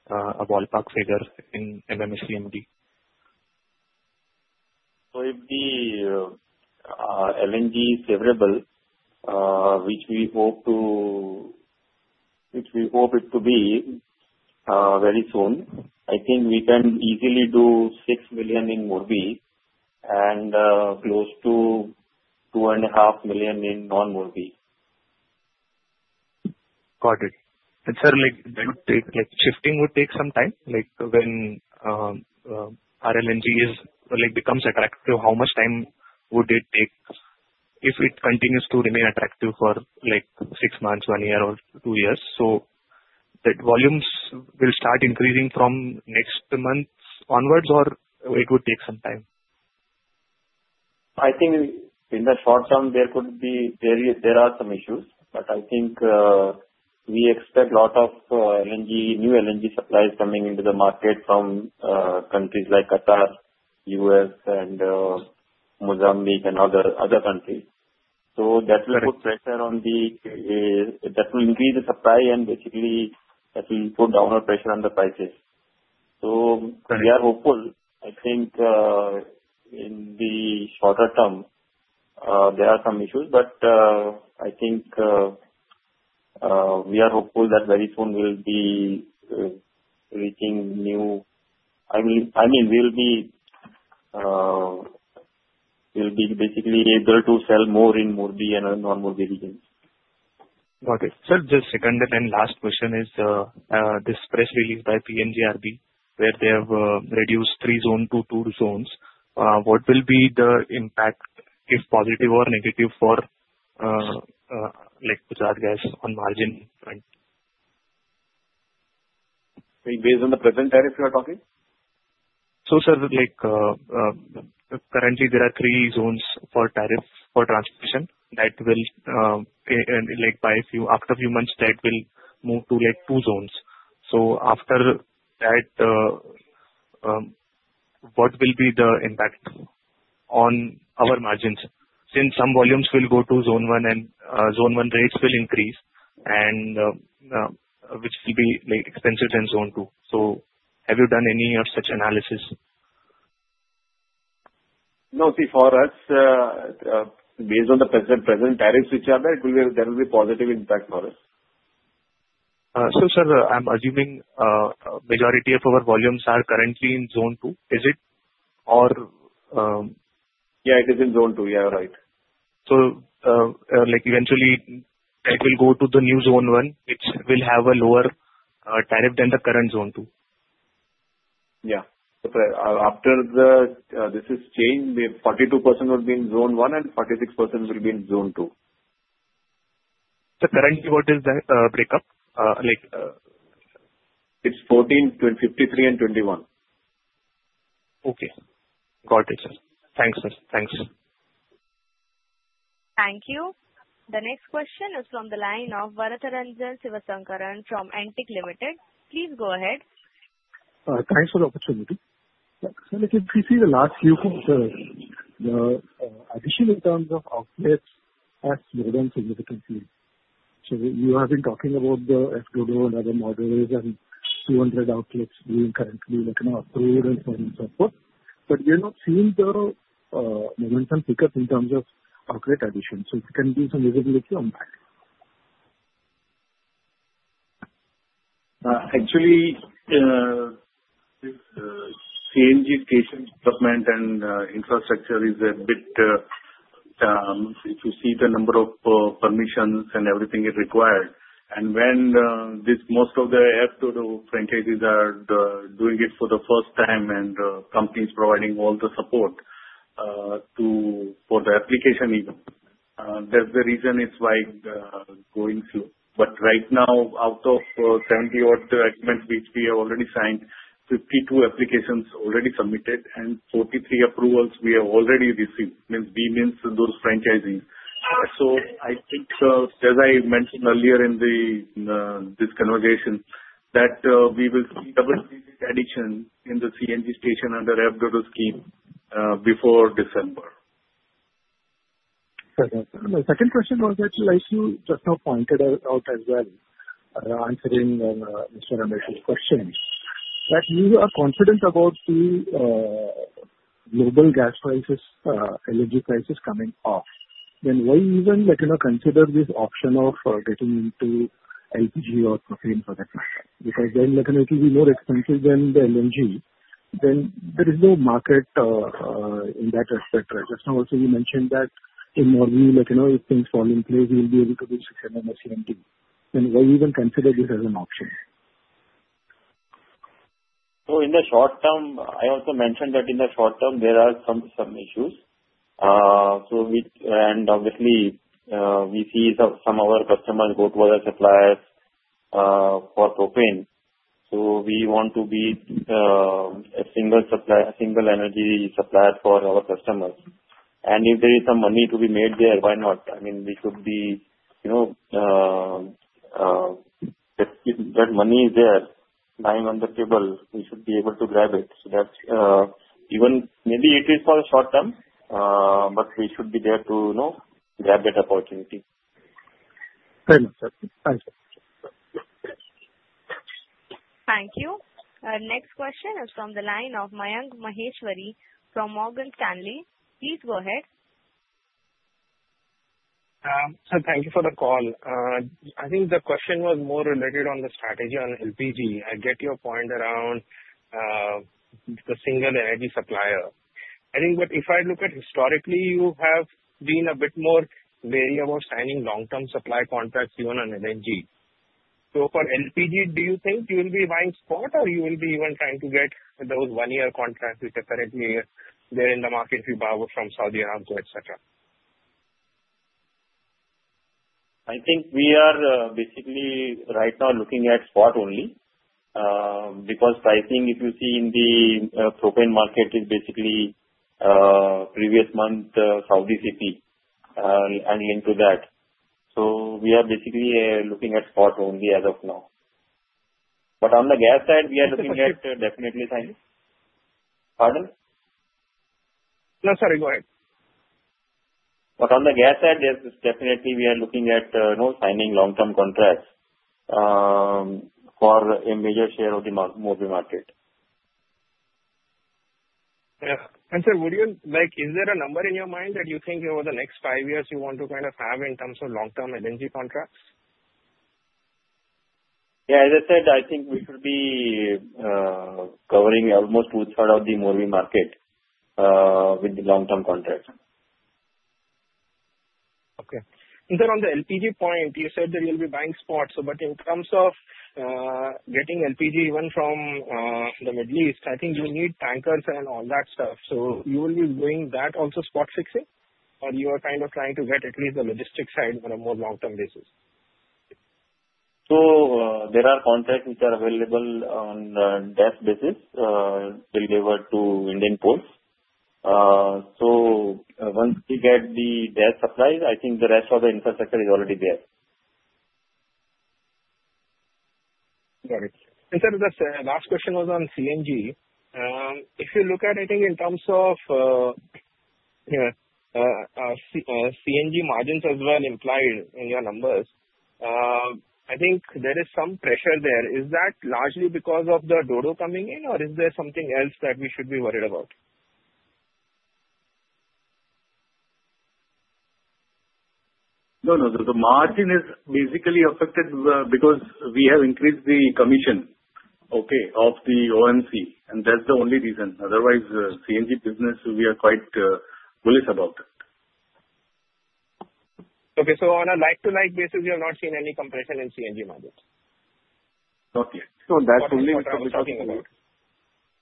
a ballpark figure in MMCMD? If the LNG is favorable, which we hope it to be very soon, I think we can easily do 6 million in Morbi and close to 2.5 million in non-Morbi. Got it. Sir, like shifting would take some time. When RLNG becomes attractive, how much time would it take if it continues to remain attractive for six months, one year, or two years? That volumes will start increasing from next month onwards, or it would take some time? I think in the short term, there could be some issues, but I think we expect a lot of new LNG supplies coming into the market from countries like Qatar, U.S., and Mozambique, and other countries. That will increase the supply and basically put downward pressure on the prices. We are hopeful. I think in the shorter term, there are some issues, but I think we are hopeful that very soon we will be reaching new, I mean, we will be basically able to sell more in Morbi and non-Morbi regions. Got it. Sir, just a second, and then last question, is this press release by PNGRB where they have reduced three zones to two zones. What will be the impact, if positive or negative, for Gujarat Gas on margin? Based on the present tariff you are talking? Currently, there are three zones for tariffs for transportation that will, after a few months, move to two zones. After that, what will be the impact on our margins since some volumes will go to zone one and zone one rates will increase, which will be expensive in zone two? Have you done any of such analysis? No, see, for us, based on the present tariffs which are there, there will be a positive impact for us. Sir, I'm assuming a majority of our volumes are currently in zone two, is it? Yeah, it is in zone two. Right. Eventually, that will go to the new zone one, which will have a lower tariff than the current zone two. Yeah, after this has changed, 42% will be in zone one and 46% will be in zone two. Currently, what is the breakup? It's 14, 53, and 21. Okay. Got it, sir. Thanks, sir. Thanks. Thank you. The next question is from the line of Varatharajan Sivasankaran from Antique Limited. Please go ahead. Thanks for the opportunity. Sir, if you see the last few quarters, the addition in terms of outlets has driven significantly. You have been talking about th and other models and 200 outlets being currently open or three and so on and so forth. We are not seeing the momentum pickup in terms of outlet addition. If you can give some visibility on that. Actually, CNG station equipment and infrastructure is a bit, if you see the number of permissions and everything is required. When most of th franchisees are doing it for the first time and the company is providing all the support to put the application in, that's the reason it's why going through. Right now, out of 70 odd documents, which we have already signed, 52 applications already submitted and 43 approvals we have already received means those franchisees. I think, as I mentioned earlier in this conversation, that we will see double-digit addition in the CNG station under this scheme before December. My second question was actually I see the top pointed out as well, answering this question. That you are confident about the global gas crisis, LNG crisis coming up. Why even consider this option of getting into LPG or propane product? Because then it will be more expensive than the LNG. There is no market in that respect. That's how also you mentioned that in Morbi, if things fall in place, we'll be able to produce some of our CNG. Why even consider this as an option? In the short term, I also mentioned that in the short term, there are some issues. We see some of our customers go to other suppliers for propane. We want to be a single supplier, a single energy supplier for our customers. If there is some money to be made there, why not? I mean, we could be, you know, that money is there lying on the table. We should be able to grab it. Maybe it is for the short term, but we should be there to grab that opportunity. Right. Right. Thank you. Next question is from the line of Mayank Maheshwari from Morgan Stanley. Please go ahead. Sir, thank you for the call. I think the question was more related on the strategy on LPG. I get your point around the single energy supplier. I think, if I look at historically, you have been a bit more wary about signing long-term supply contracts even on LNG. For LPG, do you think you will be buying spot or you will be even trying to get those one-year contracts which are currently there in the market if you buy from Saudi Aramco, etc.? I think we are basically right now looking at spot only because pricing, if you see in the propane market, is basically previous month, how did you see? We are basically looking at spot only as of now. On the gas side, we are looking at definitely signing. Pardon? Go ahead. On the gas side, definitely we are looking at signing long-term contracts for a major share of the market. Is there a number in your mind that you think over the next five years you want to kind of have in terms of long-term LNG contracts? As I said, I think we should be covering almost 2/3 of the market with the long-term contracts. Okay. Sir, on the LPG point, you said that you'll be buying spots. In terms of getting LPG even from the Middle East, I think you need tankers and all that stuff. You will be doing that also spot fixing, or you are kind of trying to get at least the logistics side on a more long-term basis? There are contracts which are available on the gas basis delivered to Indian ports. Once we get the gas supplies, I think the rest of the infrastructure is already there. Got it. Sir, the last question was on CNG. If you look at it in terms of CNG margins as well implied in your numbers, I think there is some pressure there. Is that largely because of the DODO coming in, or is there something else that we should be worried about? No, the margin is basically affected because we have increased the commission, okay, of the OMC. That's the only reason. Otherwise, the CNG business, we are quite bullish about it. On a night-to-night basis, you have not seen any compression in CNG margins? Not yet. That's only what we're talking about.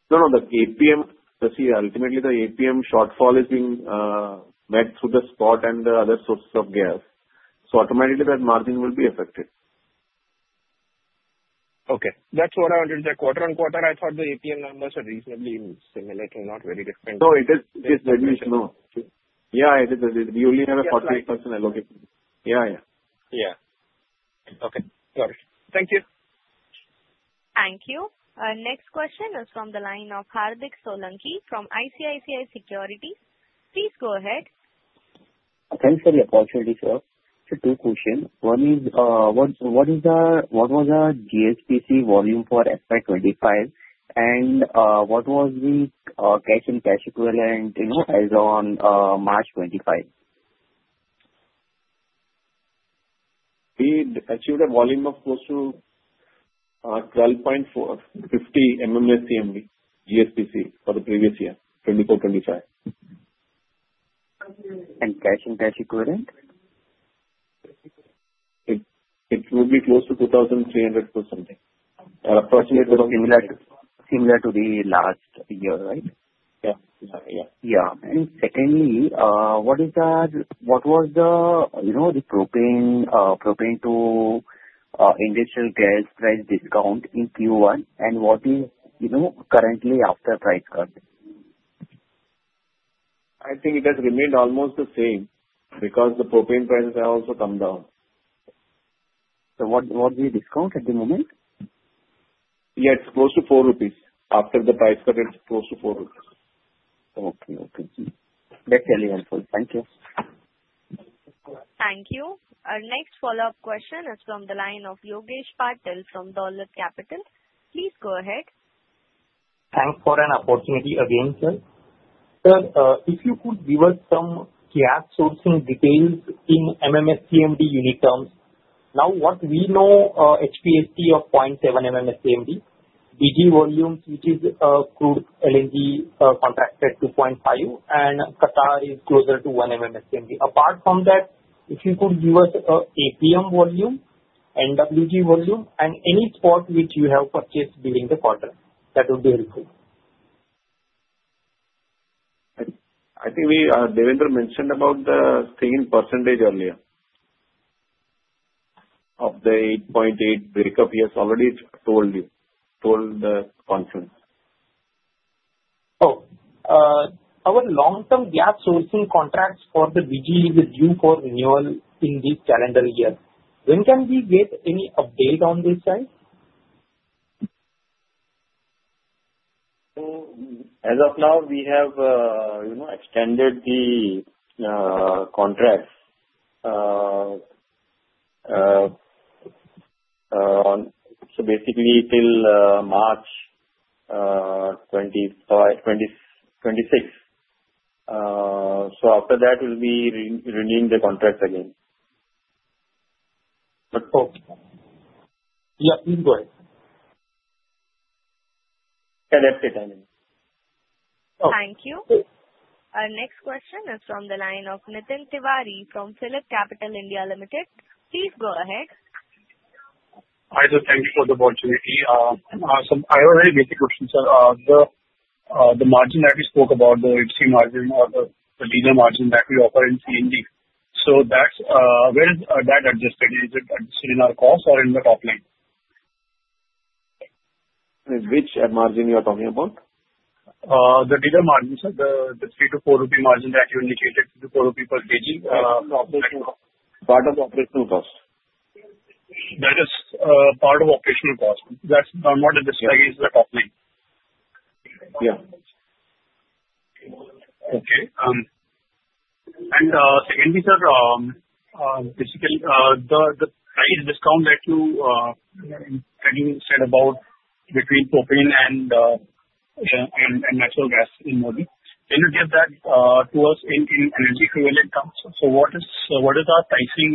No, the APM, see, ultimately, the APM shortfall is being met through the spot and the other sources of gas. Automatically, that margin will be affected. Okay. That's what I wanted to check. Quarter on quarter, I thought the APM numbers are reasonably similar, not very different. No, it is reduced. We only have a 48% allocation. Yeah, yeah. Yeah, okay. Got it. Thank you. Thank you. Next question is from the line of Hardik Solanki from ICICI Securities. Please go ahead. Thanks for the opportunity, sir. Two questions. One is, what was the GSPC volume for FY 2025? What was the cash and cash equivalent as on March 2025? We achieved a volume of close to 12.450 MMSCMD for the previous year, 2024/2025. Cash and cash equivalent? It would be close to 2,300 crore per something. Approximately similar to the last year, right? Yeah. Yeah. What was the propane-to-industrial gas price discount in Q1? What is it currently after the price cut? I think it has remained almost the same because the propane prices have also come down. What is the discount at the moment? Yeah, it's close to 4 crore rupees. After the price cut, it's close to 4 crore rupees. Okay. Okay. That's really helpful. Thank you. Thank you. Our next follow-up question is from the line of Yogesh Patil from Dolat Capital. Please go ahead. Thanks for an opportunity again, sir. Sir, if you could give us some gas sourcing details in MMSCMD unit terms. Now, what we know, HPHT of 0.7 MMSCMD, DG volume, which is crude LNG contracted 2.5 MMSCMD, and Qatar is closer to 1 MMSCMD. Apart from that, if you could give us APM volume and WG volume and any spot which you have purchased during the quarter, that would be helpful. I think Dipen Chauhan mentioned about the same percentage earlier of the 8.8% breakup he has already told you, told the consumers. Our long-term gas sourcing contracts for the DG are due for renewal in this calendar year. When can we get any update on this side? As of now, we have extended the contracts, basically till March 2026. After that, we'll be renewing the contracts again. Yeah, please go ahead. After signing. Thank you. Our next question is from the line of Nitin Tiwari from PhillipCapital India. Please go ahead. Hi, sir. Thanks for the opportunity. I basically couldn't tell the margin that we spoke about, the extreme margin or the dealer margin that we offer in CNG. That's where that adjusted. Is it still in our cost or in the top line? Which margin are you talking about? The dealer margin, sir. The 3 crore-4 crore rupee margin that you indicated, the 4 crore rupee per kg, part of operational cost. That is part of operational cost. That's not in the slide. It's the top line. Yeah. Okay. In this, sir, basically, the price discount that you said about between propane and natural gas in the Morbi region, can you give that to us in previously relevant terms? What is our pricing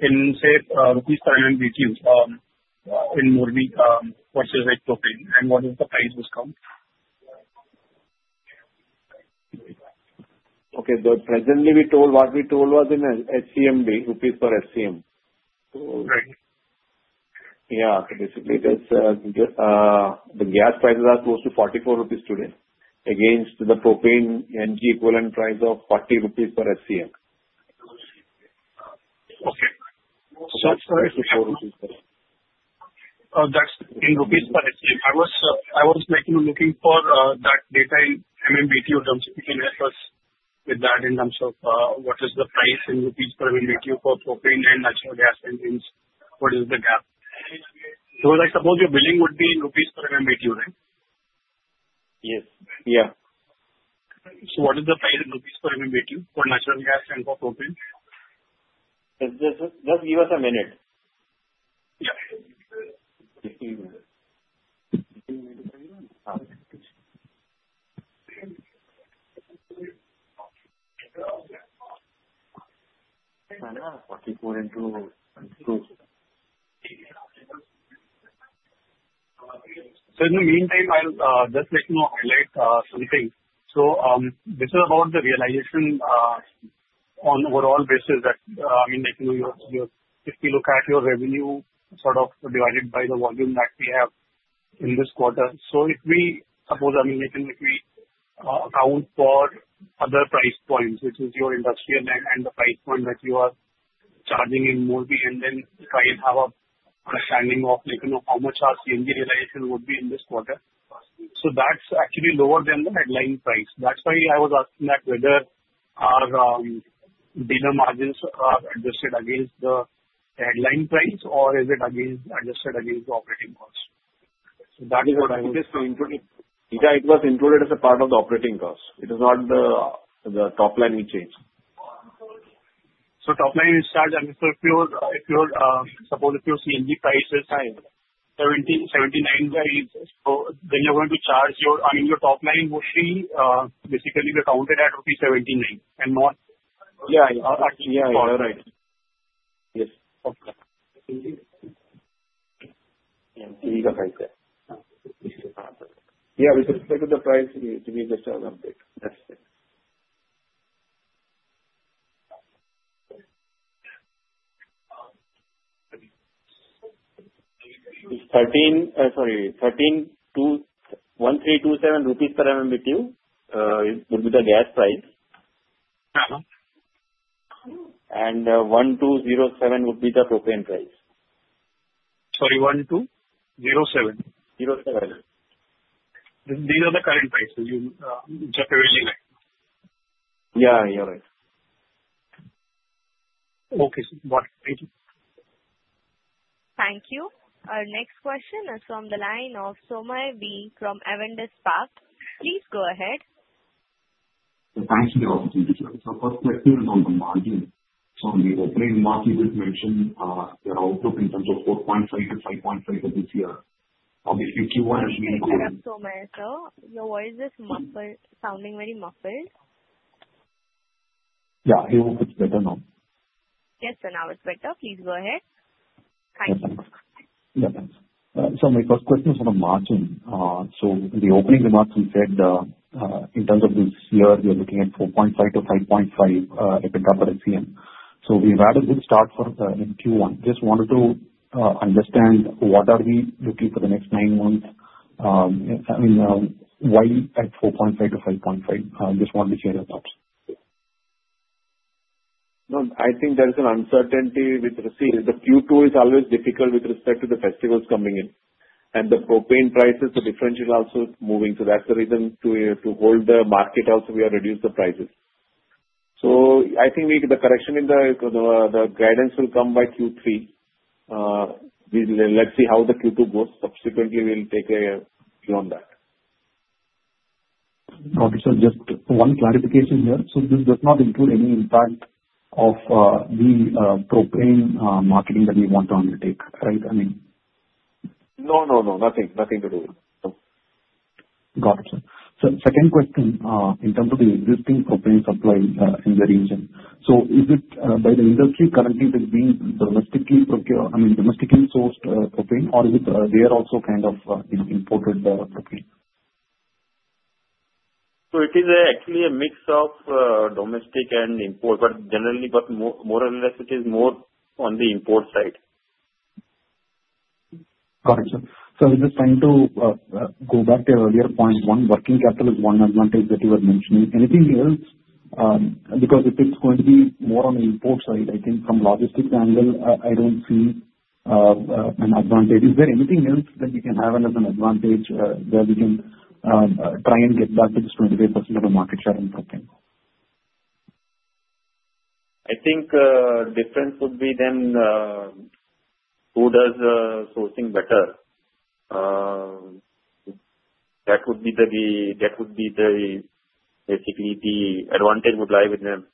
in, say, INR per unit we choose in Morbi versus with propane? What is the price discount? Okay. What we told was in SCM, rupees per SCM. Right. Yeah, basically, the gas prices are close to 44 crore rupees today against the propane energy equivalent price of 40 crore rupees per SCM. Its price is 4.00 crore rupees. Oh, that's INR 3.00 crore per SCM. I was actually looking for that data in MMBTU terms. If you can help us with that in terms of what is the price in INR per MMBTU for propane and natural gas engines, what is the gap? I suppose you're billing with the INR per MMBTU, right? Yes. Yeah. What is the price in rupees per MMBTU for natural gas and for propane? Just give us a minute. I know INR 44 crore. In the meantime, I'll just let you know a few things. This is about the realization on overall basis that I mean, if you look at your revenue sort of divided by the volume that we have in this quarter. If we, I suppose, account for other price points, which is your industrial and the price point that you are charging in the Morbi region, and then try and have an understanding of how much our CNG realization would be in this quarter, that's actually lower than the headline price. That's why I was asking whether our dealer margins are adjusted against the headline price or is it adjusted against the operating cost. That is what I'm just going to. Yeah, it was included as a part of the operating cost. It is not the top line we changed. Top line is charged if your, suppose if your CNG price is high, 17 crore-79 crore. You're going to charge your, I mean, your top line mostly, basically, if you count it at rupees 79 crore and more. Yeah, yeah. All right. You need to write that. Yeah, we can check the price to give you just an update. Sorry, 13,232.7 crore rupees per MMBTU would be the gas price. 1,207 crore would be the propane price. Sorry, 1,207 crore? 07. These are the current prices you just gave us. Yeah, right. Okay. Thank you. Thank you. Our next question is from the line of Somaiah V from Avendus Park. Please go ahead. Thanks for the opportunity. I've got a question on the margin. On the opening margin, you mentioned there are outlook in terms of 4.5-5.5% at this year. Sorry to interrupt, Somay sir. Your voice is sounding very muffled. Yeah, it's better now. Yes, sir, now it's better. Please go ahead. Thank you. My first question is on the margin. In the opening remarks, we said in terms of this year, we are looking at 4.5 crore-5.5 crore for this year. We've had a good start in Q1. I just wanted to understand what are we looking for the next nine months? I mean, why at 4.5 crore-5.5 crore? I just wanted to share your thoughts. No, I think there's an uncertainty with receipt. Q2 is always difficult with respect to the festivals coming in. The propane prices, the differential is also moving. That's the reason to hold the market. We have reduced the prices. I think the correction in the guidance will come by Q3. Let's see how Q2 goes. Subsequently, we'll take a view on that. This was just one clarification here. This does not include any impact of the propane marketing that we want to undertake, right? I mean. Nothing to do. Got it, sir. Second question, in terms of the existing propane supply in the region, is the industry currently being domestically sourced propane, or is there also kind of imported propane? It is actually a mix of domestic and import, but generally, it is more on the import side. All right, sir. I'm just trying to go back to earlier point. One, working capital is one advantage that you were mentioning. Anything else? It is going to be more on the import side. I think from a logistics angle, I don't see an advantage. Is there anything else that we can have as an advantage where we can try and get back to this 25% of the market share in propane? I think the difference would be who does the sourcing better. That would be basically the advantage would lie with them.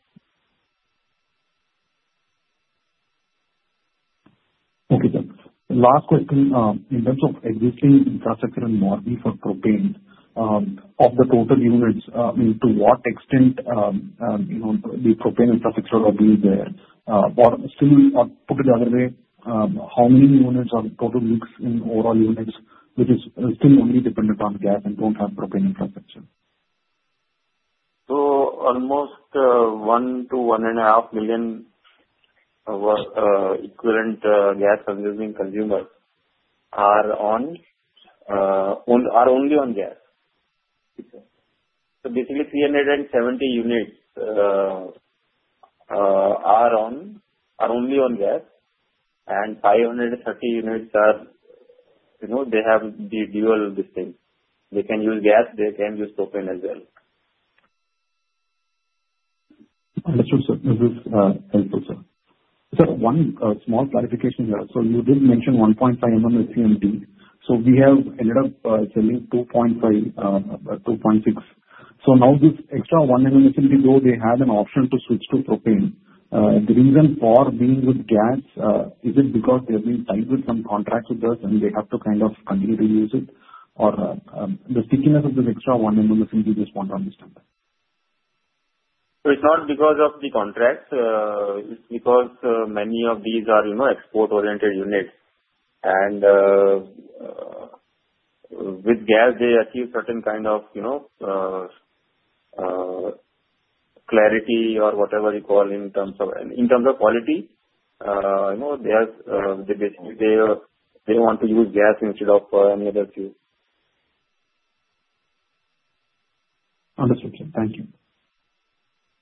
Okay, sir. Last question. In terms of existing infrastructure in Morbi for propane, of the total units, I mean, to what extent you know the propane infrastructure will be there? Or say we put it the other way, how many units of total use in overall units, which is still only dependent on gas and don't have propane infrastructure? Almost 1-1.5 million equivalent gas consumers are only on gas. Basically, 370 units are only on gas, and 530 units have these dual systems. They can use gas. They can use propane as well. Understood, sir. Thank you, sir. Sir, one small clarification here. You did mention 1.5 MMSCMD. We have ended up selling 2.6 MMSCMD, now this extra 1 MMSCMD, though they have an option to switch to propane, the reason for being with gas, is it because they're being tied with some contracts with us and they have to kind of continue to use it? The stickiness of this extra 1 MMSCMD, just want to understand that. It's not because of the contracts. It's because many of these are export-oriented units. With gas, they achieve certain kind of clarity or whatever you call in terms of quality. They basically want to use gas instead of any other fuel. Understood, sir. Thank you.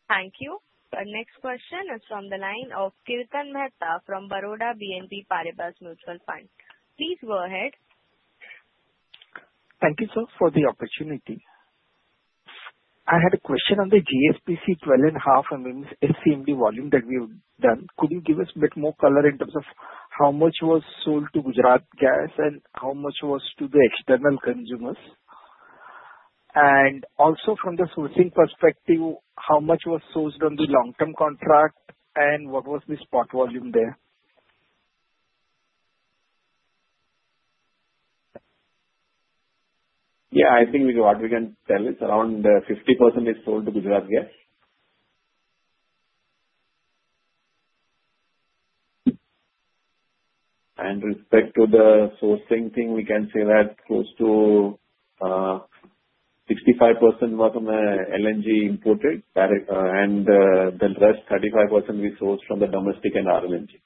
Thank you. Our next question is from the line of Kirtan Mehta from Baroda BNP Paribas Mutual Fund. Please go ahead. Thank you, sir, for the opportunity. I had a question on the GSPC 12.5 SCM volume that we've done. Could you give us a bit more color in terms of how much was sold to Gujarat Gas and how much was to the external consumers? Also, from the sourcing perspective, how much was sourced on the long-term contract and what was the spot volume there? Yeah, I think what we can tell is around 50% is sold to Gujarat Gas Limited. In respect to the sourcing thing, we can say that close to 65% was on the LNG imported, and the rest 35% we sourced from the domestic and RLNG.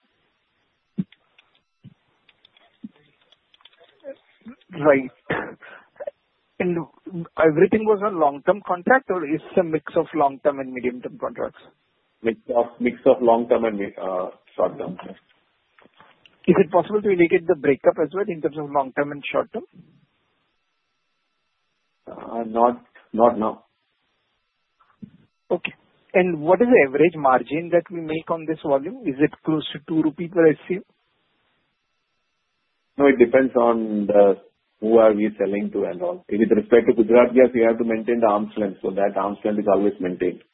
Was everything on long-term contracts, or is it a mix of long-term and medium-term contracts? Mix of long-term and short-term, sir. Is it possible to relate it to the breakup as well in terms of long-term and short-term? No, no. What is the average margin that we make on this volume? Is it close to 2 crore rupee per SCM? No, it depends on who we are selling to and all. With respect to Gujarat Gas, we have to maintain the arm's length. That arm's length is always maintained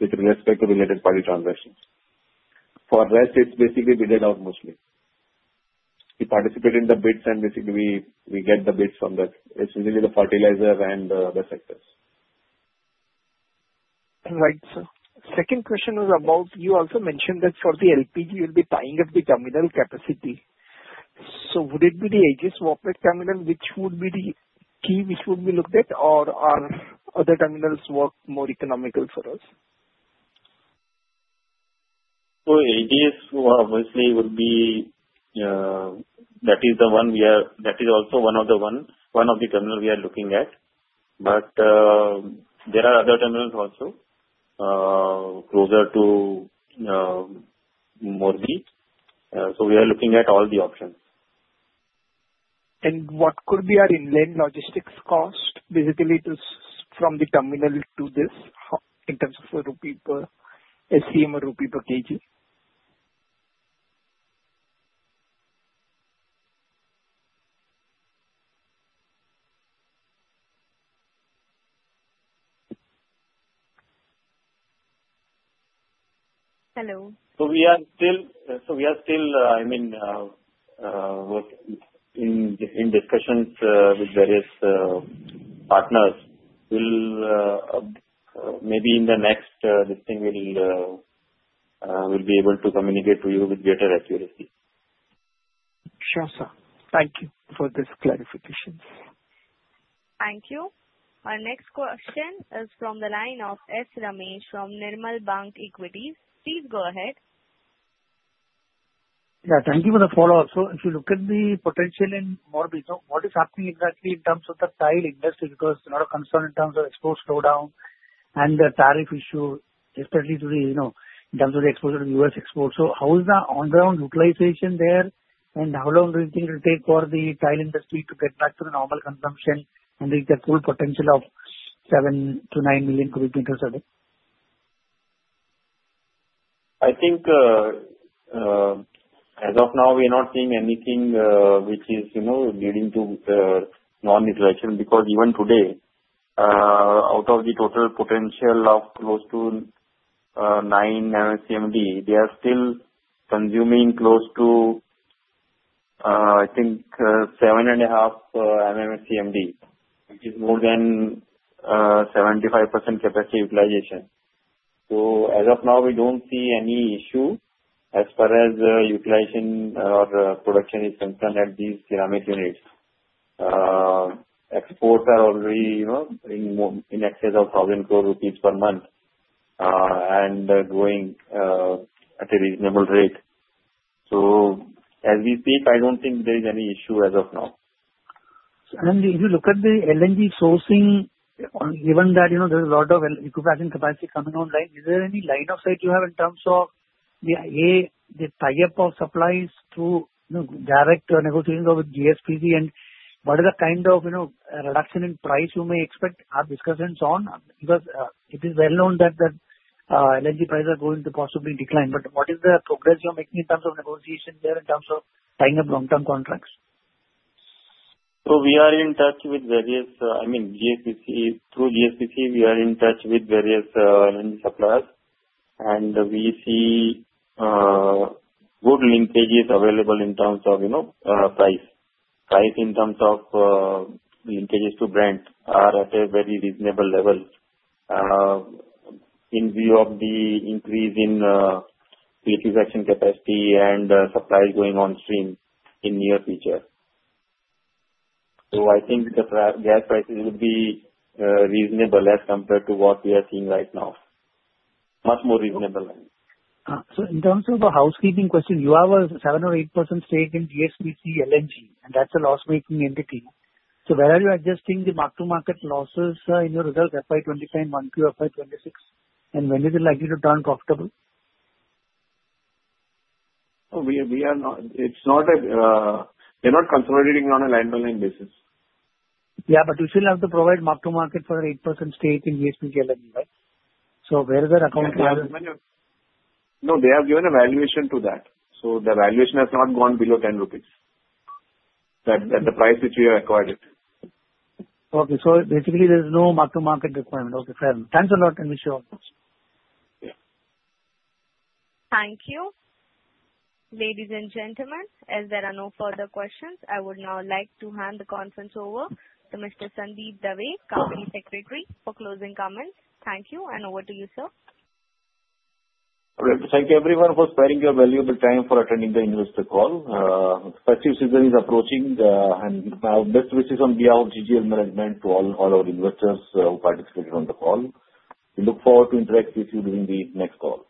with respect to related party transactions. For the rest, it's basically bid out mostly. We participate in the bids and we get the bids from the, essentially, the fertilizer and the other sectors. Right, sir. Second question was about you also mentioned that for the LPG, you'll be tying up the terminal capacity. Would it be the Aegis Vopak terminal which would be the key which would be looked at, or are other terminals more economical for us? Aegis is obviously one of the terminals we are looking at. There are other terminals also closer to the Morbi region. We are looking at all the options. What could be our in-line logistics cost basically from the terminal to this in terms of a rupee per SCM or rupee per kg? Hello. We are still in discussions with various partners. Maybe in the next meeting, we'll be able to communicate to you with better accuracy. Sure, sir. Thank you for this clarification. Thank you. Our next question is from the line of S. Ramesh from Nirmal Bang Equities. Please go ahead. Yeah, thank you for the follow-up. If you look at the potential in Morbi, what is happening exactly in terms of the tile industry? There is a lot of concern in terms of export slowdown and the tariff issue, especially in terms of the exposure to U.S. exports. How is the on-ground utilization there, and how long do you think it will take for the tile industry to get back to the normal consumption and reach a full potential of 7-9 million cu m a day? I think, as of now, we are not seeing anything which is leading to non-introduction because even today, out of the total potential of close to 9 CMD, they are still consuming close to, I think, 7.5 CMD, which is more than 75% capacity utilization. As of now, we don't see any issue as far as utilizing our production is concerned at these ceramic units. Exports are already in excess of 1,000 crore rupees per month and going at a reasonable rate. As we speak, I don't think there's any issue as of now. If you look at the LNG sourcing, given that there's a lot of equipment and capacity coming online, is there any line of sight you have in terms of the, A, the tie-up of supplies through direct negotiations or with GSPC? What is the kind of reduction in price you may expect? Are discussions on? It is well known that the LNG prices are going to possibly decline. What is the progress you are making in terms of negotiation there in terms of tying up long-term contracts? We are in touch with various, I mean, through GSPC, we are in touch with various suppliers. We see good linkages available in terms of, you know, price. Price in terms of linkages to brand are at a very reasonable level, in view of the increase in pre-conception capacity and supplies going on stream in the near future. I think the gas prices will be reasonable as compared to what we are seeing right now. Much more reasonable, I think. In terms of the housekeeping question, you have a 7% or 8% stake in GSPC LNG, and that's a loss-making entity. Where are you adjusting the back-to-market losses in your results, FY 2025 monthly or FY 2026? When is it likely to turn profitable? We are not consolidating on an underlying basis. Yeah, you still have to provide mark-to-market for an 8% stake in GSPC LNG, right? Where is that accounted for? No, they have given a valuation to that. The valuation has not gone below 10 crore rupees. That's the price that we have acquired it. Okay. Basically, there's no mark-to-market requirement. Okay, fair. Thanks a lot, and wish you well. Thank you. Ladies and gentlemen, as there are no further questions, I would now like to hand the conference over to Mr. Sandeep Dave, Company Secretary, for closing comments. Thank you, and over to you, sir. All right. Thank you, everyone, for sparing your valuable time for attending the investor call. Festive season is approaching, and best wishes on behalf of GGL Management to all our investors who participated on the call. We look forward to interacting with you during the next call.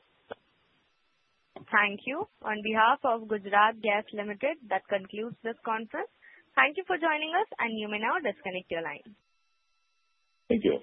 Thank you. On behalf of Gujarat Gas Limited, that concludes this conference. Thank you for joining us, and you may now disconnect your line. Thank you.